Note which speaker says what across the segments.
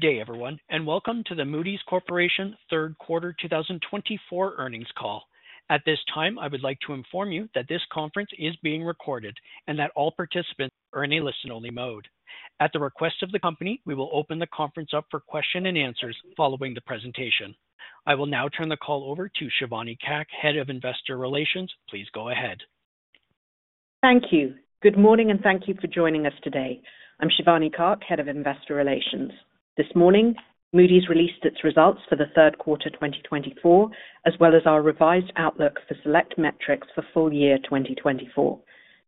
Speaker 1: Good day, everyone, and welcome to the Moody's Corporation third quarter 2024 earnings call. At this time, I would like to inform you that this conference is being recorded and that all participants are in a listen-only mode. At the request of the company, we will open the conference up for question and answers following the presentation. I will now turn the call over to Shivani Kak, Head of Investor Relations. Please go ahead.
Speaker 2: Thank you. Good morning, and thank you for joining us today. I'm Shivani Kak, Head of Investor Relations. This morning, Moody's released its results for the third quarter, 2024, as well as our revised outlook for select metrics for full year 2024.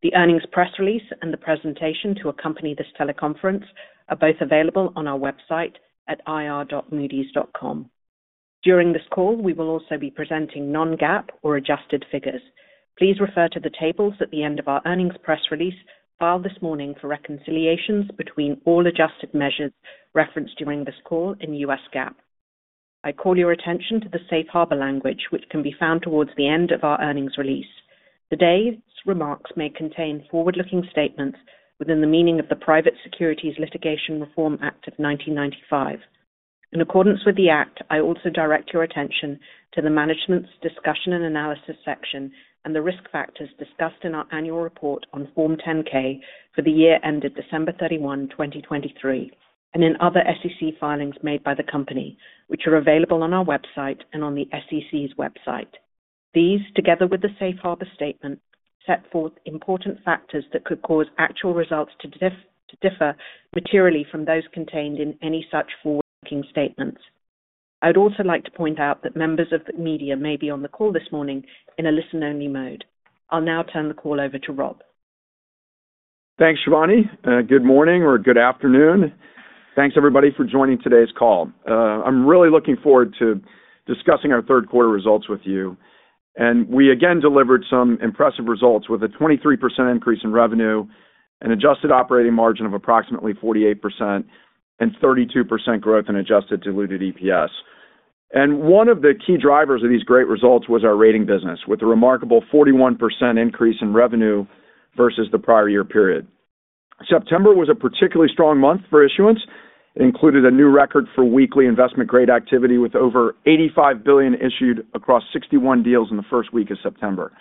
Speaker 2: The earnings press release and the presentation to accompany this teleconference are both available on our website at ir.moodys.com. During this call, we will also be presenting non-GAAP or adjusted figures. Please refer to the tables at the end of our earnings press release, filed this morning, for reconciliations between all adjusted measures referenced during this call in the U.S. GAAP. I call your attention to the Safe Harbor language, which can be found towards the end of our earnings release. Today's remarks may contain forward-looking statements within the meaning of the Private Securities Litigation Reform Act of nineteen ninety-five. In accordance with the Act, I also direct your attention to the management's discussion and analysis section and the risk factors discussed in our annual report on Form 10-K for the year ended December thirty-one, 2023, and in other SEC filings made by the Company, which are available on our website and on the SEC's website. These, together with the safe harbor statement, set forth important factors that could cause actual results to differ materially from those contained in any such forward-looking statements. I'd also like to point out that members of the media may be on the call this morning in a listen-only mode. I'll now turn the call over to Rob.
Speaker 3: Thanks, Shivani. Good morning or good afternoon. Thanks, everybody, for joining today's call. I'm really looking forward to discussing our third quarter results with you. We again delivered some impressive results, with a 23% increase in revenue, an adjusted operating margin of approximately 48%, and 32% growth in adjusted diluted EPS. One of the key drivers of these great results was our rating business, with a remarkable 41% increase in revenue versus the prior year period. September was a particularly strong month for issuance. It included a new record for weekly investment-grade activity, with over $85 billion issued across 61 deals in the first week of September.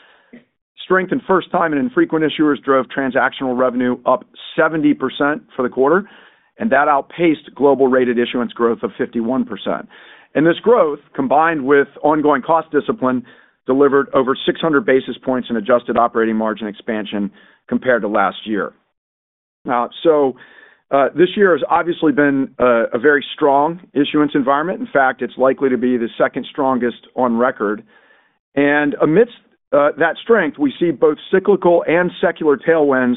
Speaker 3: Strength in first-time and infrequent issuers drove transactional revenue up 70% for the quarter, and that outpaced global rated issuance growth of 51%. This growth, combined with ongoing cost discipline, delivered over 600 basis points in adjusted operating margin expansion compared to last year. This year has obviously been a very strong issuance environment. In fact, it's likely to be the second strongest on record. Amidst that strength, we see both cyclical and secular tailwinds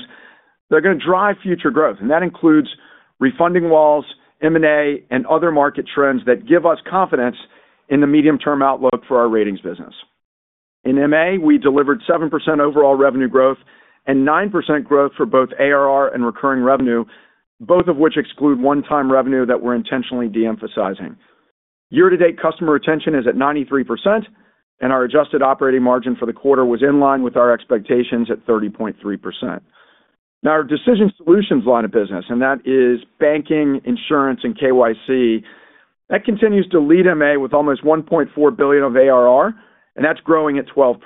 Speaker 3: that are gonna drive future growth, and that includes refunding walls, M&A, and other market trends that give us confidence in the medium-term outlook for our ratings business. In MA, we delivered 7% overall revenue growth and 9% growth for both ARR and recurring revenue, both of which exclude one-time revenue that we're intentionally de-emphasizing. Year-to-date customer retention is at 93%, and our adjusted operating margin for the quarter was in line with our expectations at 30.3%. Now, our Decision Solutions line of business, and that is banking, insurance, and KYC, that continues to lead MA with almost $1.4 billion of ARR, and that's growing at 12%.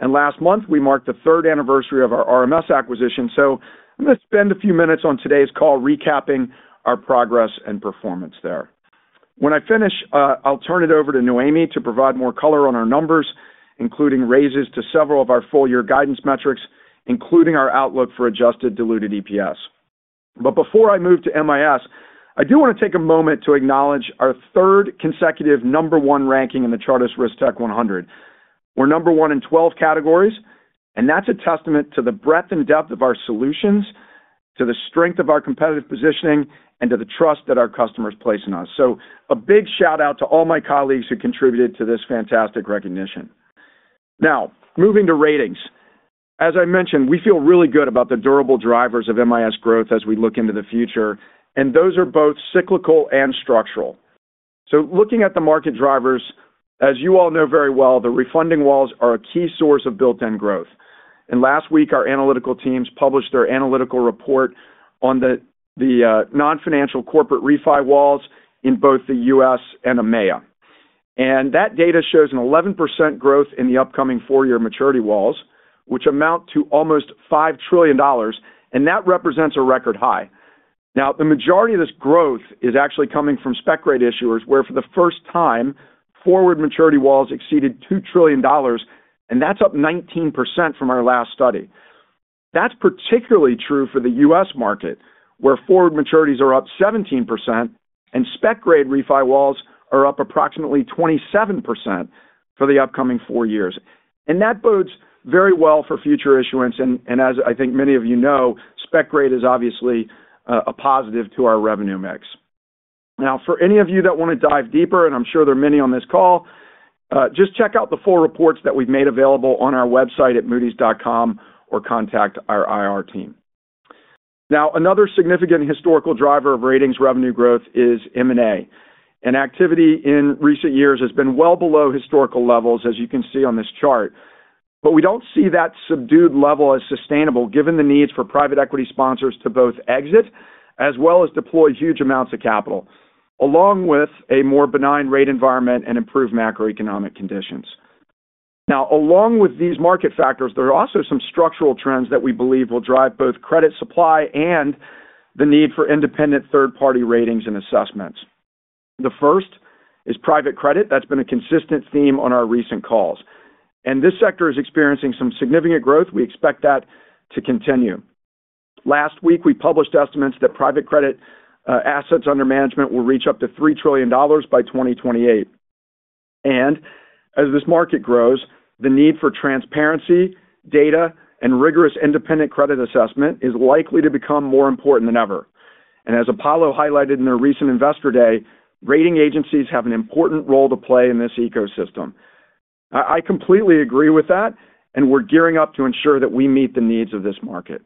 Speaker 3: And last month, we marked the third anniversary of our RMS acquisition, so I'm going to spend a few minutes on today's call recapping our progress and performance there. When I finish, I'll turn it over to Noémie to provide more color on our numbers, including raises to several of our full year guidance metrics, including our outlook for adjusted diluted EPS. But before I move to MIS, I do want to take a moment to acknowledge our third consecutive number one ranking in the RiskTech100. We're number one in twelve categories, and that's a testament to the breadth and depth of our solutions, to the strength of our competitive positioning, and to the trust that our customers place in us. So a big shout-out to all my colleagues who contributed to this fantastic recognition. Now, moving to ratings. As I mentioned, we feel really good about the durable drivers of MIS growth as we look into the future, and those are both cyclical and structural. So looking at the market drivers, as you all know very well, the refunding walls are a key source of built-in growth. And last week, our analytical teams published their analytical report on the non-financial corporate refi walls in both the U.S. and EMEA. And that data shows an 11% growth in the upcoming four-year maturity walls, which amount to almost $5 trillion, and that represents a record high. Now, the majority of this growth is actually coming from spec grade issuers, where for the first time, forward maturity walls exceeded $2 trillion, and that's up 19% from our last study. That's particularly true for the U.S. market, where forward maturities are up 17% and spec grade refi walls are up approximately 27% for the upcoming four years. And that bodes very well for future issuance. And as I think many of you know, spec grade is obviously a positive to our revenue mix. Now, for any of you that want to dive deeper, and I'm sure there are many on this call, just check out the full reports that we've made available on our website at moody's.com, or contact our IR team. Now, another significant historical driver of ratings revenue growth is M&A, and activity in recent years has been well below historical levels, as you can see on this chart.... but we don't see that subdued level as sustainable, given the needs for private equity sponsors to both exit, as well as deploy huge amounts of capital, along with a more benign rate environment and improved macroeconomic conditions. Now, along with these market factors, there are also some structural trends that we believe will drive both credit supply and the need for independent third-party ratings and assessments. The first is private credit. That's been a consistent theme on our recent calls, and this sector is experiencing some significant growth. We expect that to continue. Last week, we published estimates that private credit assets under management will reach up to $3 trillion by 2028. And as this market grows, the need for transparency, data, and rigorous independent credit assessment is likely to become more important than ever. And as Apollo highlighted in their recent Investor Day, rating agencies have an important role to play in this ecosystem. I completely agree with that, and we're gearing up to ensure that we meet the needs of this market.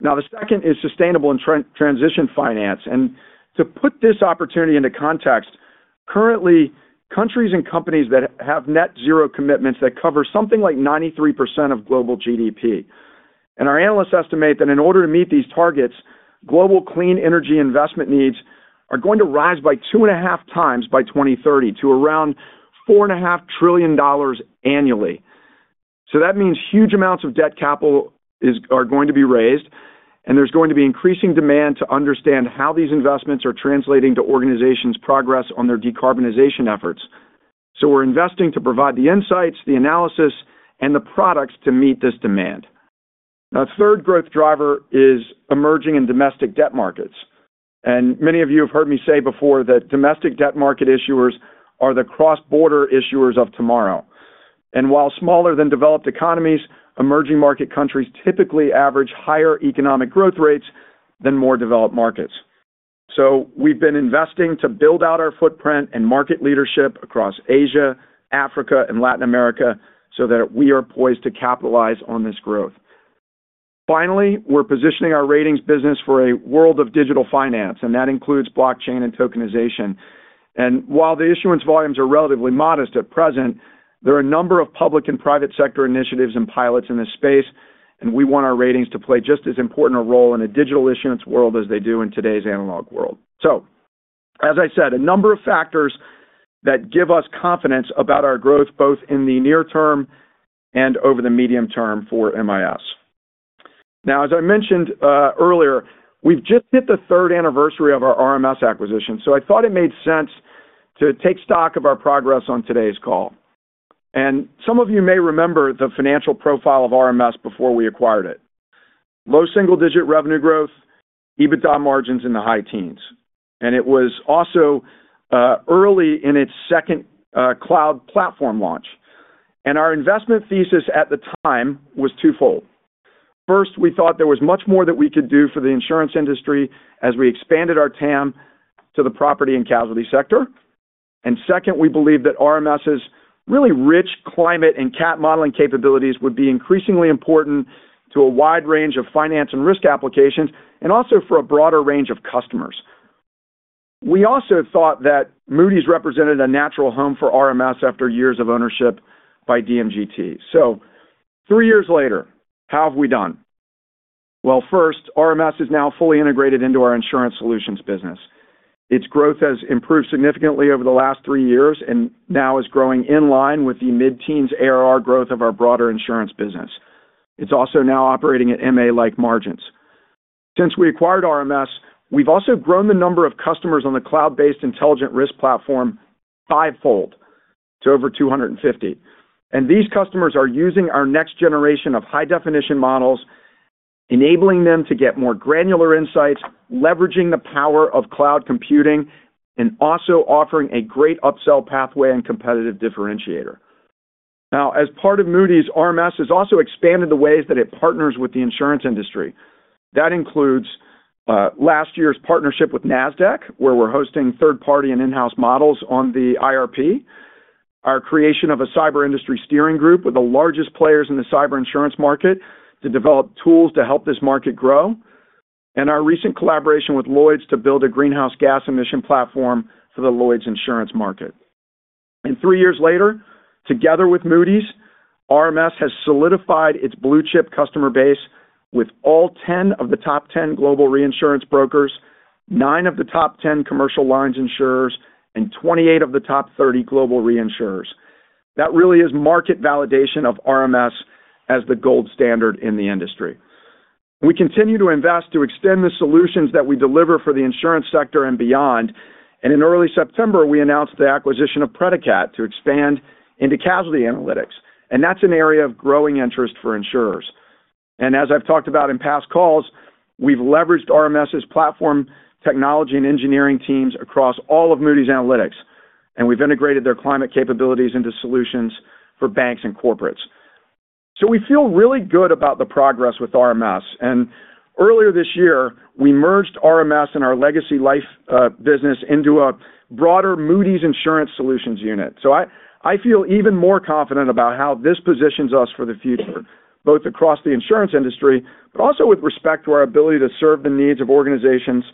Speaker 3: Now, the second is sustainable and transition finance, and to put this opportunity into context, currently, countries and companies that have net zero commitments that cover something like 93% of global GDP. Our analysts estimate that in order to meet these targets, global clean energy investment needs are going to rise by two and a half times by 2030, to around $4.5 trillion annually. That means huge amounts of debt capital are going to be raised, and there's going to be increasing demand to understand how these investments are translating to organizations' progress on their decarbonization efforts. We're investing to provide the insights, the analysis, and the products to meet this demand. Now, a third growth driver is emerging in domestic debt markets. Many of you have heard me say before that domestic debt market issuers are the cross-border issuers of tomorrow. While smaller than developed economies, emerging market countries typically average higher economic growth rates than more developed markets. So we've been investing to build out our footprint and market leadership across Asia, Africa, and Latin America so that we are poised to capitalize on this growth. Finally, we're positioning our ratings business for a world of digital finance, and that includes blockchain and tokenization. And while the issuance volumes are relatively modest at present, there are a number of public and private sector initiatives and pilots in this space, and we want our ratings to play just as important a role in a digital issuance world as they do in today's analog world. So, as I said, a number of factors that give us confidence about our growth, both in the near term and over the medium term for MIS. Now, as I mentioned, earlier, we've just hit the third anniversary of our RMS acquisition, so I thought it made sense to take stock of our progress on today's call. And some of you may remember the financial profile of RMS before we acquired it. Low single-digit revenue growth, EBITDA margins in the high teens, and it was also early in its second cloud platform launch. And our investment thesis at the time was twofold. First, we thought there was much more that we could do for the insurance industry as we expanded our TAM to the property and casualty sector. And second, we believe that RMS's really rich climate and cat modeling capabilities would be increasingly important to a wide range of finance and risk applications, and also for a broader range of customers. We also thought that Moody's represented a natural home for RMS after years of ownership by DMGT. So three years later, how have we done? Well, first, RMS is now fully integrated into our Insurance Solutions business. Its growth has improved significantly over the last three years and now is growing in line with the mid-teens ARR growth of our broader insurance business. It's also now operating at MA-like margins. Since we acquired RMS, we've also grown the number of customers on the cloud-based Intelligent Risk Platform fivefold to over 250, and these customers are using our next generation of high-definition models, enabling them to get more granular insights, leveraging the power of cloud computing, and also offering a great upsell pathway and competitive differentiator. Now, as part of Moody's, RMS has also expanded the ways that it partners with the insurance industry. That includes last year's partnership with Nasdaq, where we're hosting third-party and in-house models on the IRP, our creation of a cyber industry steering group with the largest players in the cyber insurance market to develop tools to help this market grow, and our recent collaboration with Lloyd's to build a greenhouse gas emission platform for the Lloyd's insurance market. And three years later, together with Moody's, RMS has solidified its blue-chip customer base with all ten of the top ten global reinsurance brokers, nine of the top ten commercial lines insurers, and 28 of the top 30 global reinsurers. That really is market validation of RMS as the gold standard in the industry. We continue to invest to extend the solutions that we deliver for the insurance sector and beyond, and in early September, we announced the acquisition of Predicat to expand into casualty analytics, and that's an area of growing interest for insurers. And as I've talked about in past calls, we've leveraged RMS's platform, technology, and engineering teams across all of Moody's Analytics, and we've integrated their climate capabilities into solutions for banks and corporates. So we feel really good about the progress with RMS, and earlier this year, we merged RMS and our legacy life business into a broader Moody's Insurance Solutions unit. So I feel even more confident about how this positions us for the future, both across the insurance industry, but also with respect to our ability to serve the needs of organizations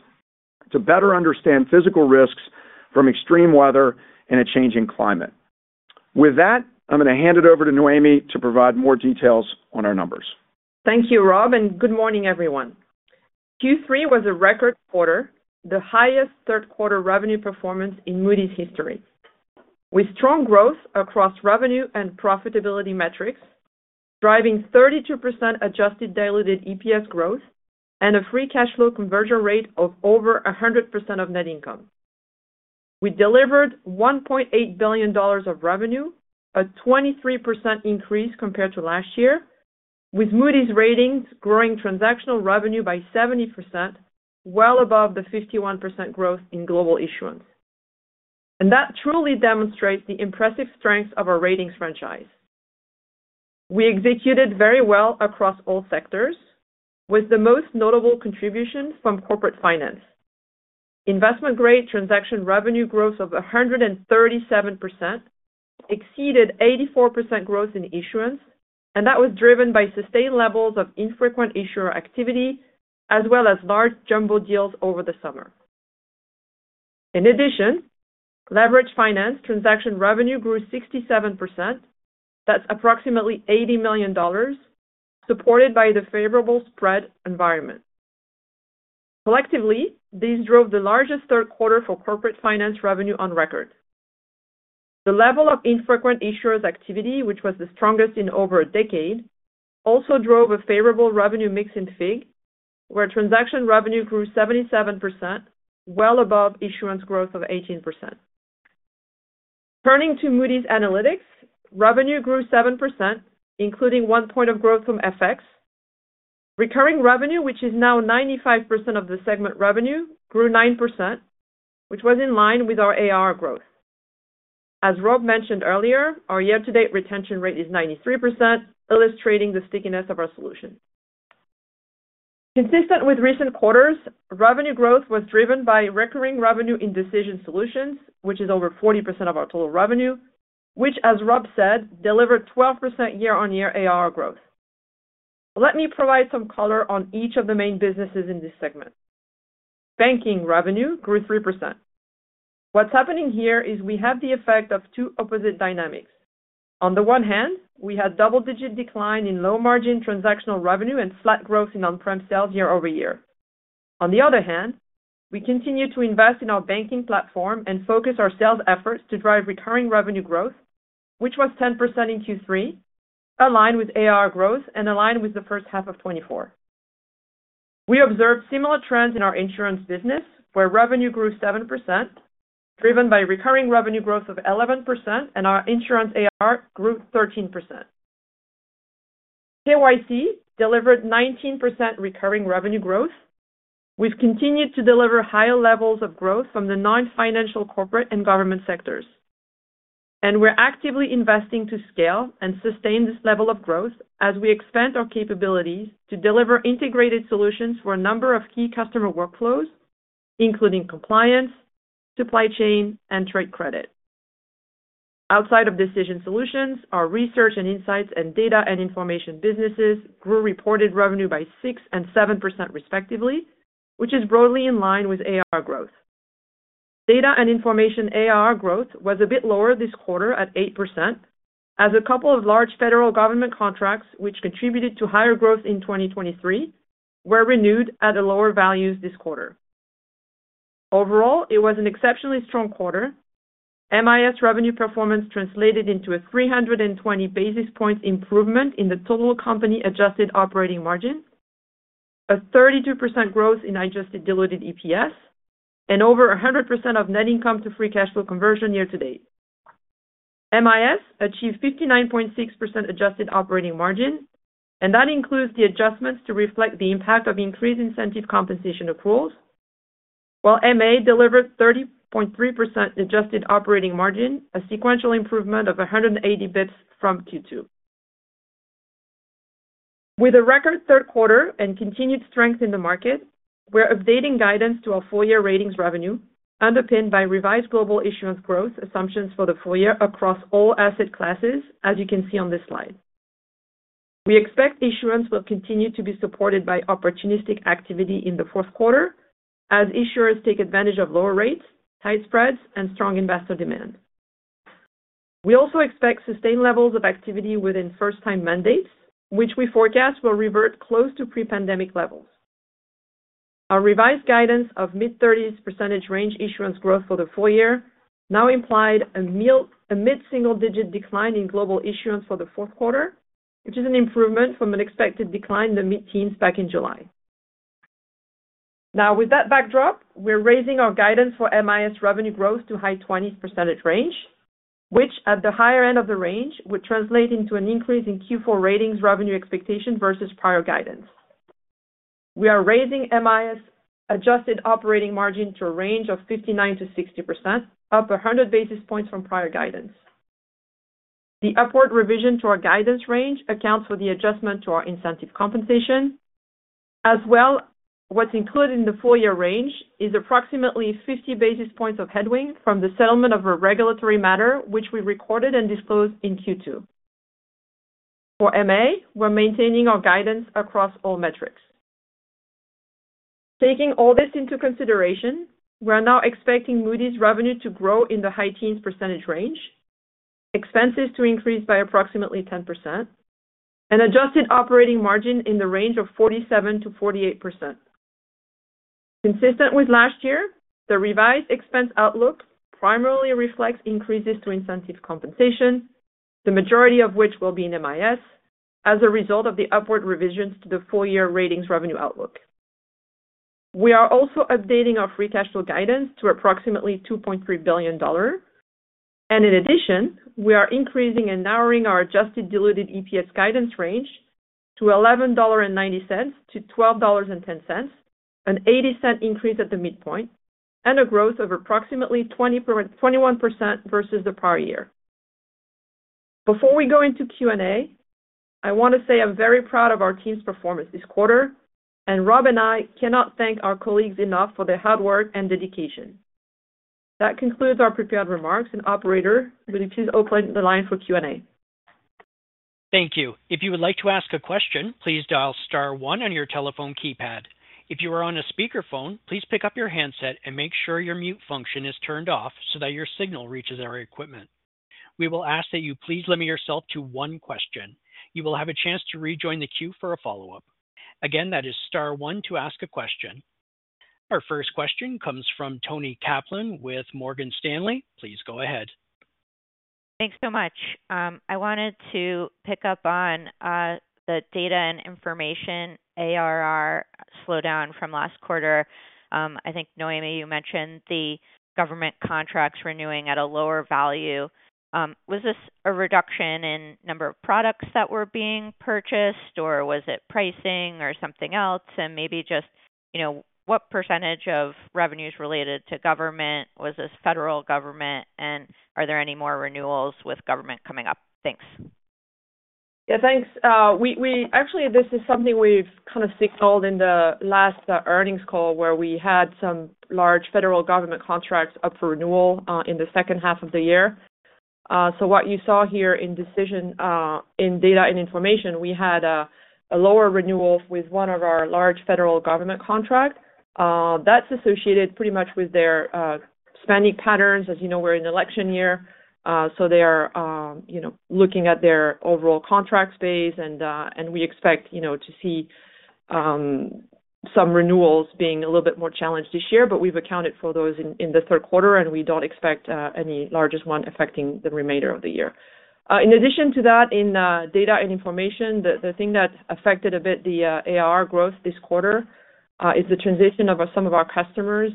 Speaker 3: to better understand physical risks from extreme weather and a changing climate. With that, I'm gonna hand it over to Noémie to provide more details on our numbers.
Speaker 4: Thank you, Rob, and good morning, everyone. Q3 was a record quarter, the highest third quarter revenue performance in Moody's history. With strong growth across revenue and profitability metrics, driving 32% adjusted diluted EPS growth and a free cash flow conversion rate of over 100% of net income. We delivered $1.8 billion of revenue, a 23% increase compared to last year, with Moody's ratings growing transactional revenue by 70%, well above the 51% growth in global issuance. And that truly demonstrates the impressive strength of our ratings franchise. We executed very well across all sectors, with the most notable contribution from corporate finance. Investment-grade transaction revenue growth of 137% exceeded 84% growth in issuance, and that was driven by sustained levels of infrequent issuer activity, as well as large jumbo deals over the summer. In addition, leveraged finance transaction revenue grew 67%. That's approximately $80 million, supported by the favorable spread environment. Collectively, these drove the largest third quarter for corporate finance revenue on record. The level of infrequent issuers activity, which was the strongest in over a decade, also drove a favorable revenue mix in FIG, where transaction revenue grew 77%, well above issuance growth of 18%. Turning to Moody's Analytics, revenue grew 7%, including one point of growth from FX. Recurring revenue, which is now 95% of the segment revenue, grew 9%, which was in line with our AR growth. As Rob mentioned earlier, our year-to-date retention rate is 93%, illustrating the stickiness of our solution. Consistent with recent quarters, revenue growth was driven by recurring revenue in Decision Solutions, which is over 40% of our total revenue, which, as Rob said, delivered 12% year-on-year AR growth. Let me provide some color on each of the main businesses in this segment. Banking revenue grew 3%. What's happening here is we have the effect of two opposite dynamics. On the one hand, we had double-digit decline in low-margin transactional revenue and flat growth in on-prem sales year over year. On the other hand, we continued to invest in our banking platform and focus our sales efforts to drive recurring revenue growth, which was 10% in Q3, aligned with AR growth and aligned with the first half of 2024. We observed similar trends in our insurance business, where revenue grew 7%, driven by recurring revenue growth of 11%, and our insurance AR grew 13%. KYC delivered 19% recurring revenue growth. We've continued to deliver higher levels of growth from the non-financial, corporate, and government sectors, and we're actively investing to scale and sustain this level of growth as we expand our capabilities to deliver integrated solutions for a number of key customer workflows, including compliance, supply chain, and trade credit. Outside of Decision Solutions, our Research and Insights and Data and Information businesses grew reported revenue by 6% and 7%, respectively, which is broadly in line with AR growth. Data and Information AR growth was a bit lower this quarter at 8%, as a couple of large federal government contracts, which contributed to higher growth in 2023, were renewed at a lower values this quarter. Overall, it was an exceptionally strong quarter. MIS revenue performance translated into a 320 basis points improvement in the total company adjusted operating margin, a 32% growth in adjusted diluted EPS, and over 100% of net income to free cash flow conversion year to date. MIS achieved 59.6% adjusted operating margin, and that includes the adjustments to reflect the impact of increased incentive compensation accruals, while MA delivered 30.3% adjusted operating margin, a sequential improvement of 180 basis points from Q2. With a record third quarter and continued strength in the market, we're updating guidance to our full-year ratings revenue, underpinned by revised global issuance growth assumptions for the full year across all asset classes, as you can see on this slide. We expect issuance will continue to be supported by opportunistic activity in the fourth quarter as issuers take advantage of lower rates, tight spreads, and strong investor demand. We also expect sustained levels of activity within first-time mandates, which we forecast will revert close to pre-pandemic levels. Our revised guidance of mid-30% range issuance growth for the full year now implied a mid-single-digit decline in global issuance for the fourth quarter, which is an improvement from an expected decline in the mid-teens back in July. Now, with that backdrop, we're raising our guidance for MIS revenue growth to high twenties % range, which, at the higher end of the range, would translate into an increase in Q4 ratings revenue expectation versus prior guidance. We are raising MIS adjusted operating margin to a range of 59%-60%, up 100 basis points from prior guidance. The upward revision to our guidance range accounts for the adjustment to our incentive compensation. As well, what's included in the full year range is approximately 50 basis points of headwind from the settlement of a regulatory matter, which we recorded and disclosed in Q2. For MA, we're maintaining our guidance across all metrics. Taking all this into consideration, we are now expecting Moody's revenue to grow in the high teens % range, expenses to increase by approximately 10%, and adjusted operating margin in the range of 47%-48%. Consistent with last year, the revised expense outlook primarily reflects increases to incentive compensation, the majority of which will be in MIS, as a result of the upward revisions to the full-year ratings revenue outlook. We are also updating our free cash flow guidance to approximately $2.3 billion, and in addition, we are increasing and narrowing our adjusted diluted EPS guidance range to $11.90-$12.10, an $0.80 increase at the midpoint, and a growth of approximately 21% versus the prior year. Before we go into Q&A, I want to say I'm very proud of our team's performance this quarter, and Rob and I cannot thank our colleagues enough for their hard work and dedication. That concludes our prepared remarks, and operator, will you please open the line for Q&A?
Speaker 1: Thank you. If you would like to ask a question, please dial star one on your telephone keypad. If you are on a speakerphone, please pick up your handset and make sure your mute function is turned off so that your signal reaches our equipment. We will ask that you please limit yourself to one question. You will have a chance to rejoin the queue for a follow-up. Again, that is star one to ask a question. Our first question comes from Toni Kaplan with Morgan Stanley. Please go ahead.
Speaker 5: Thanks so much. I wanted to pick up on the Data and Information ARR slowdown from last quarter. I think, Noémie, you mentioned the government contracts renewing at a lower value. Was this a reduction in number of products that were being purchased, or was it pricing or something else? And maybe just, you know, what percentage of revenues related to government, was this federal government, and are there any more renewals with government coming up? Thanks.
Speaker 4: Yeah, thanks. Actually, this is something we've kind of signaled in the last earnings call, where we had some large federal government contracts up for renewal in the second half of the year. So what you saw here in Decision in Data and Information, we had a lower renewal with one of our large federal government contract. That's associated pretty much with their spending patterns. As you know, we're in an election year, so they are, you know, looking at their overall contract space and we expect, you know, to see some renewals being a little bit more challenged this year. But we've accounted for those in the third quarter, and we don't expect any largest one affecting the remainder of the year. In addition to that, in data and information, the thing that affected a bit the AR growth this quarter is the transition of some of our customers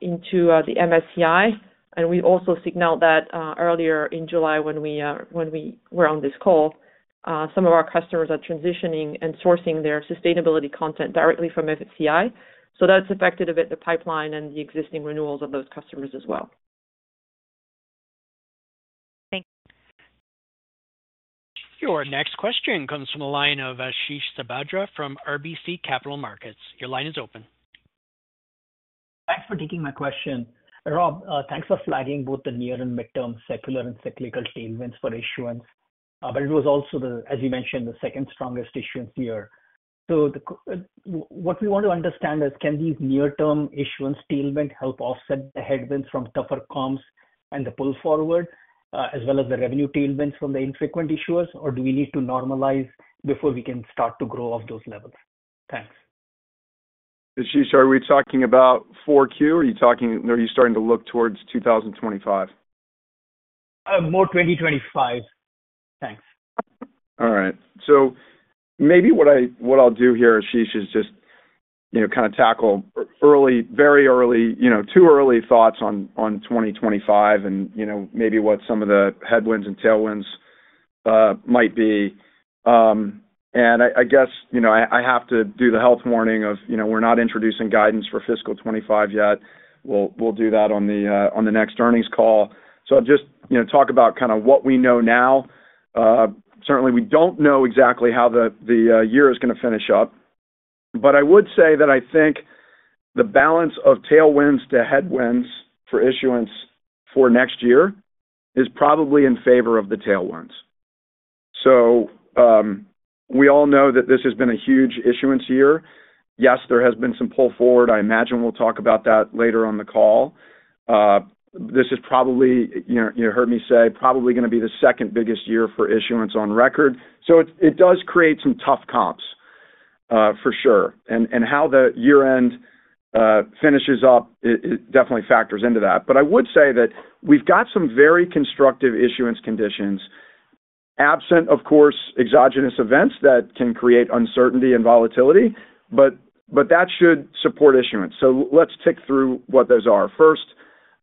Speaker 4: into the MSCI. And we also signaled that earlier in July when we were on this call. Some of our customers are transitioning and sourcing their sustainability content directly from MSCI. So that's affected a bit the pipeline and the existing renewals of those customers as well.
Speaker 5: Thanks.
Speaker 1: Your next question comes from the line of Ashish Sabadra from RBC Capital Markets. Your line is open.
Speaker 6: Thanks for taking my question. Rob, thanks for flagging both the near and midterm secular and cyclical tailwinds for issuance. But it was also the, as you mentioned, the second strongest issuance year. So, what we want to understand is, can these near-term issuance tailwind help offset the headwinds from tougher comps and the pull forward, as well as the revenue tailwinds from the infrequent issuers, or do we need to normalize before we can start to grow off those levels? Thanks.
Speaker 3: Ashish, are we talking about Q4? Are you talking... Are you starting to look towards 2025?
Speaker 6: More 2025. Thanks.
Speaker 3: All right. So maybe what I'll do here, Ashish, is just, you know, kind of tackle early, very early, you know, too early thoughts on, on 2025 and, you know, maybe what some of the headwinds and tailwinds might be. And I guess, you know, I have to do the health warning of, you know, we're not introducing guidance for fiscal 2025. We'll do that on the next earnings call. So I'll just, you know, talk about kind of what we know now. Certainly we don't know exactly how the year is gonna finish up, but I would say that I think the balance of tailwinds to headwinds for issuance for next year is probably in favor of the tailwinds. So we all know that this has been a huge issuance year. Yes, there has been some pull forward. I imagine we'll talk about that later on the call. This is probably, you heard me say, probably gonna be the second biggest year for issuance on record, so it does create some tough comps, for sure, and how the year-end finishes up. It definitely factors into that, but I would say that we've got some very constructive issuance conditions, absent, of course, exogenous events that can create uncertainty and volatility, but that should support issuance, so let's tick through what those are. First,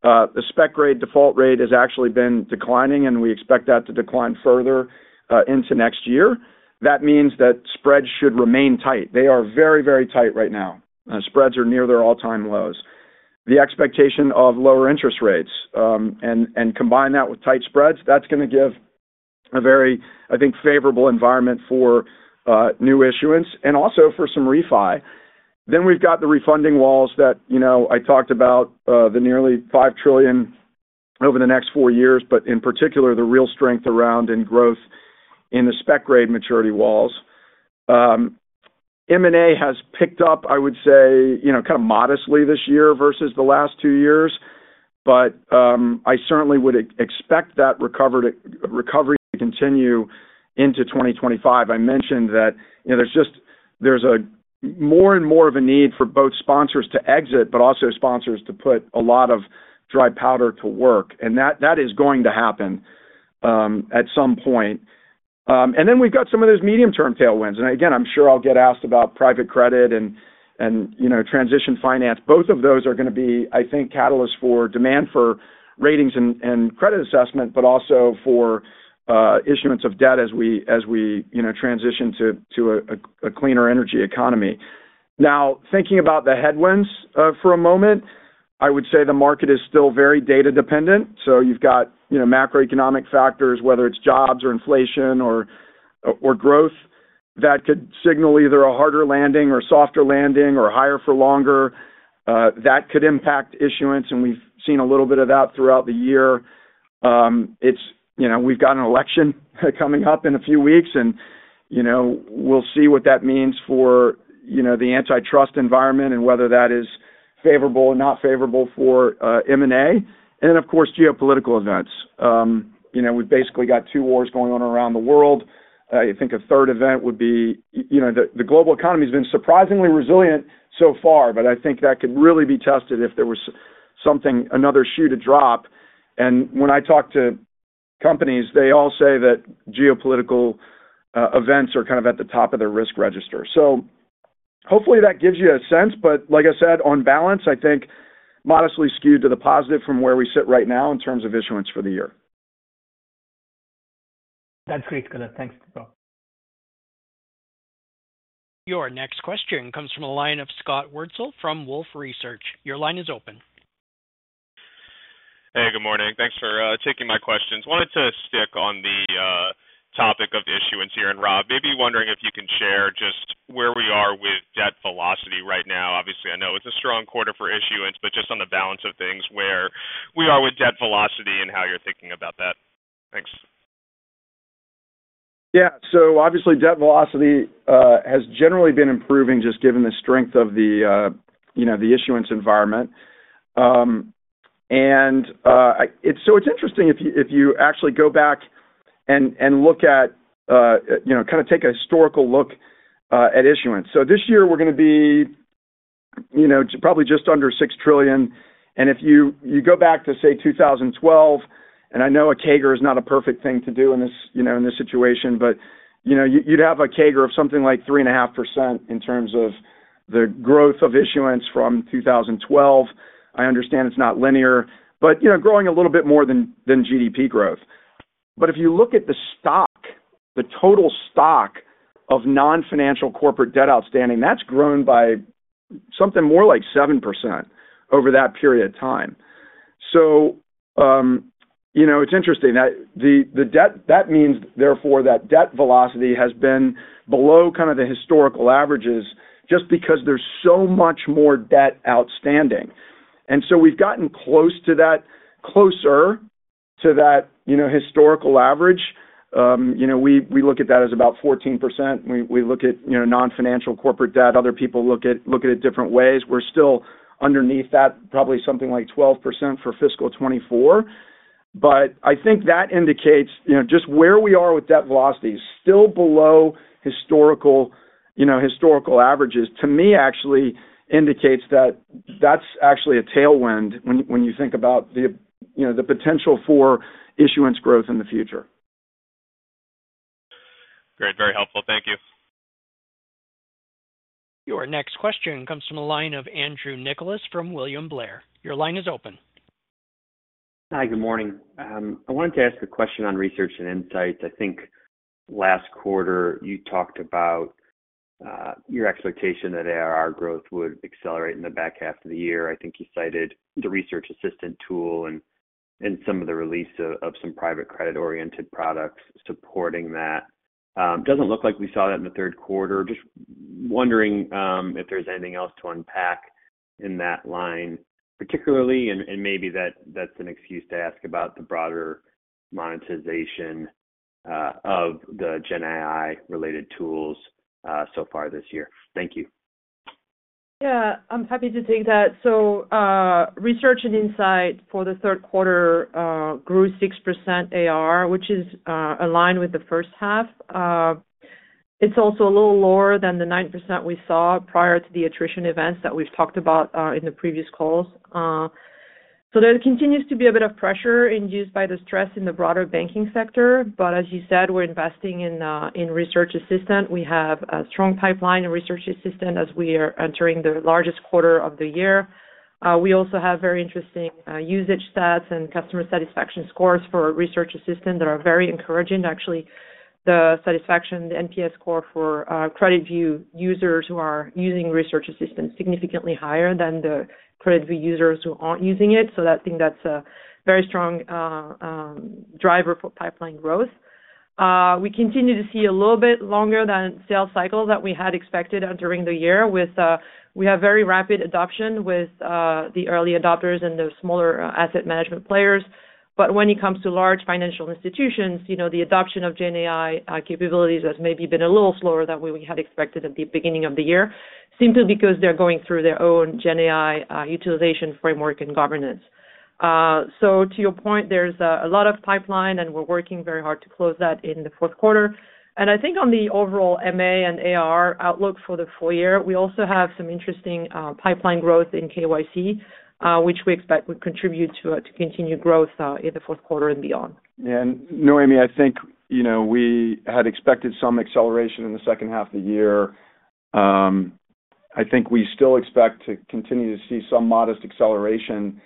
Speaker 3: the spec grade default rate has actually been declining, and we expect that to decline further, into next year. That means that spreads should remain tight. They are very, very tight right now. Spreads are near their all-time lows. The expectation of lower interest rates and combine that with tight spreads. That's gonna give a very, I think, favorable environment for new issuance and also for some refi. Then we've got the refunding walls that, you know, I talked about, the nearly $5 trillion over the next four years, but in particular, the real strength around in growth in the spec grade maturity walls. M&A has picked up, I would say, you know, kind of modestly this year versus the last two years. But I certainly would expect that recovery to continue into 2025. I mentioned that, you know, there's a more and more of a need for both sponsors to exit, but also sponsors to put a lot of dry powder to work, and that is going to happen at some point. And then we've got some of those medium-term tailwinds, and again, I'm sure I'll get asked about private credit and, you know, transition finance. Both of those are gonna be, I think, catalysts for demand for ratings and credit assessment, but also for issuance of debt as we, you know, transition to a cleaner energy economy. Now, thinking about the headwinds for a moment, I would say the market is still very data dependent, so you've got, you know, macroeconomic factors, whether it's jobs or inflation or growth, that could signal either a harder landing or softer landing or higher for longer that could impact issuance, and we've seen a little bit of that throughout the year. It's, you know, we've got an election coming up in a few weeks, and, you know, we'll see what that means for, you know, the antitrust environment and whether that is favorable or not favorable for M&A. And then, of course, geopolitical events. You know, we've basically got two wars going on around the world. You think a third event would be... You know, the global economy has been surprisingly resilient so far, but I think that could really be tested if there was something, another shoe to drop. And when I talk to companies, they all say that geopolitical events are kind of at the top of their risk register. So hopefully that gives you a sense. But like I said, on balance, I think modestly skewed to the positive from where we sit right now in terms of issuance for the year.
Speaker 6: That's great color. Thanks, Rob.
Speaker 1: Your next question comes from the line of Scott Wurtzel from Wolfe Research. Your line is open.
Speaker 7: Hey, good morning. Thanks for taking my questions. Wanted to stick on the topic of issuance here. And Rob, maybe wondering if you can share just where we are with debt velocity right now. Obviously, I know it's a strong quarter for issuance, but just on the balance of things, where we are with debt velocity and how you're thinking about that. Thanks.
Speaker 3: Yeah. So obviously, debt velocity has generally been improving, just given the strength of the, you know, the issuance environment. And it's interesting, if you actually go back and look at, you know, kind of take a historical look at issuance. So this year we're gonna be, you know, probably just under $6 trillion. And if you go back to, say, 2012, and I know a CAGR is not a perfect thing to do in this, you know, in this situation, but, you know, you'd have a CAGR of something like 3.5% in terms of the growth of issuance from 2012. I understand it's not linear, but, you know, growing a little bit more than GDP growth. But if you look at the stock, the total stock of non-financial corporate debt outstanding, that's grown by something more like 7% over that period of time. So, you know, it's interesting. That means, therefore, that debt velocity has been below kind of the historical averages just because there's so much more debt outstanding. And so we've gotten close to that, closer to that, you know, historical average. You know, we look at that as about 14%. We look at, you know, non-financial corporate debt. Other people look at it different ways. We're still underneath that, probably something like 12% for fiscal 2024. But I think that indicates, you know, just where we are with debt velocity, still below historical, you know, historical averages, to me, actually indicates that that's actually a tailwind when you think about the, you know, the potential for issuance growth in the future.
Speaker 7: Great. Very helpful. Thank you.
Speaker 1: Your next question comes from the line of Andrew Nicholas from William Blair. Your line is open.
Speaker 4: Hi, good morning. I wanted to ask a question on Research and Insights. I think last quarter you talked about your expectation that ARR growth would accelerate in the back half of the year. I think you cited the Research Assistant tool and some of the release of some private credit-oriented products supporting that. Doesn't look like we saw that in the third quarter. Just wondering if there's anything else to unpack in that line, particularly, and maybe that's an excuse to ask about the broader monetization of the GenAI-related tools so far this year. Thank you. Yeah, I'm happy to take that. So, Research and Insights for the third quarter grew 6% ARR, which is aligned with the first half. It's also a little lower than the 9% we saw prior to the attrition events that we've talked about in the previous calls. So there continues to be a bit of pressure induced by the stress in the broader banking sector, but as you said, we're investing in Research Assistant. We have a strong pipeline in Research Assistant as we are entering the largest quarter of the year. We also have very interesting usage stats and customer satisfaction scores for Research Assistant that are very encouraging. Actually, the satisfaction, the NPS score for CreditView users who are using Research Assistant, significantly higher than the CreditView users who aren't using it. So I think that's a very strong driver for pipeline growth. We continue to see a little bit longer sales cycle than we had expected during the year. We have very rapid adoption with the early adopters and the smaller asset management players. But when it comes to large financial institutions, you know, the adoption of GenAI capabilities has maybe been a little slower than we had expected at the beginning of the year, simply because they're going through their own GenAI utilization framework and governance. So to your point, there's a lot of pipeline, and we're working very hard to close that in the fourth quarter. And I think on the overall MA and AR outlook for the full year, we also have some interesting pipeline growth in KYC, which we expect would contribute to continued growth in the fourth quarter and beyond.
Speaker 3: Yeah. And Noémie, I think, you know, we had expected some acceleration in the second half of the year. I think we still expect to continue to see some modest acceleration,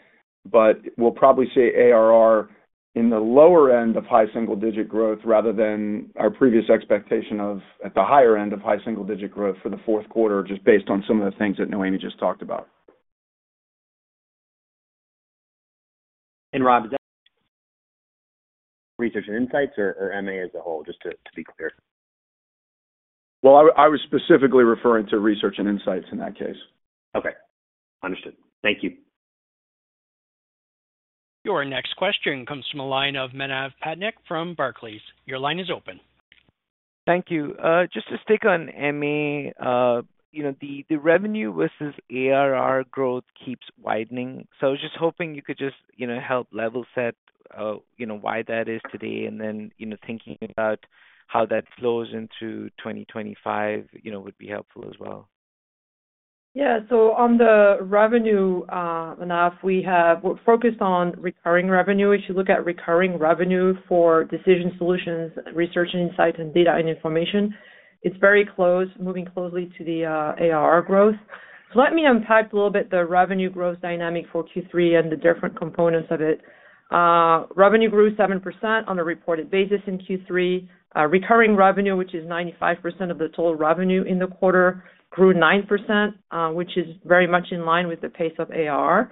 Speaker 3: but we'll probably see ARR in the lower end of high single-digit growth rather than our previous expectation of at the higher end of high single-digit growth for the fourth quarter, just based on some of the things that Noémie just talked about.
Speaker 8: Rob, is that Research and Insights or MA as a whole, just to be clear?
Speaker 3: I was specifically referring to Research and Insights in that case.
Speaker 8: Okay, understood. Thank you.
Speaker 1: Your next question comes from the line of Manav Patnaik from Barclays. Your line is open.
Speaker 9: Thank you. Just to stick on MA, you know, the revenue versus ARR growth keeps widening. So I was just hoping you could just, you know, help level set, you know, why that is today, and then, you know, thinking about how that flows into 2025, you know, would be helpful as well.
Speaker 4: Yeah. So on the revenue, Manav, we're focused on recurring revenue. If you look at recurring revenue for Decision Solutions, Research and Insights, and Data and Information, it's very close, moving closely to the ARR growth. So let me unpack a little bit the revenue growth dynamic for Q3 and the different components of it. Revenue grew 7% on a reported basis in Q3. Recurring revenue, which is 95% of the total revenue in the quarter, grew 9%, which is very much in line with the pace of ARR.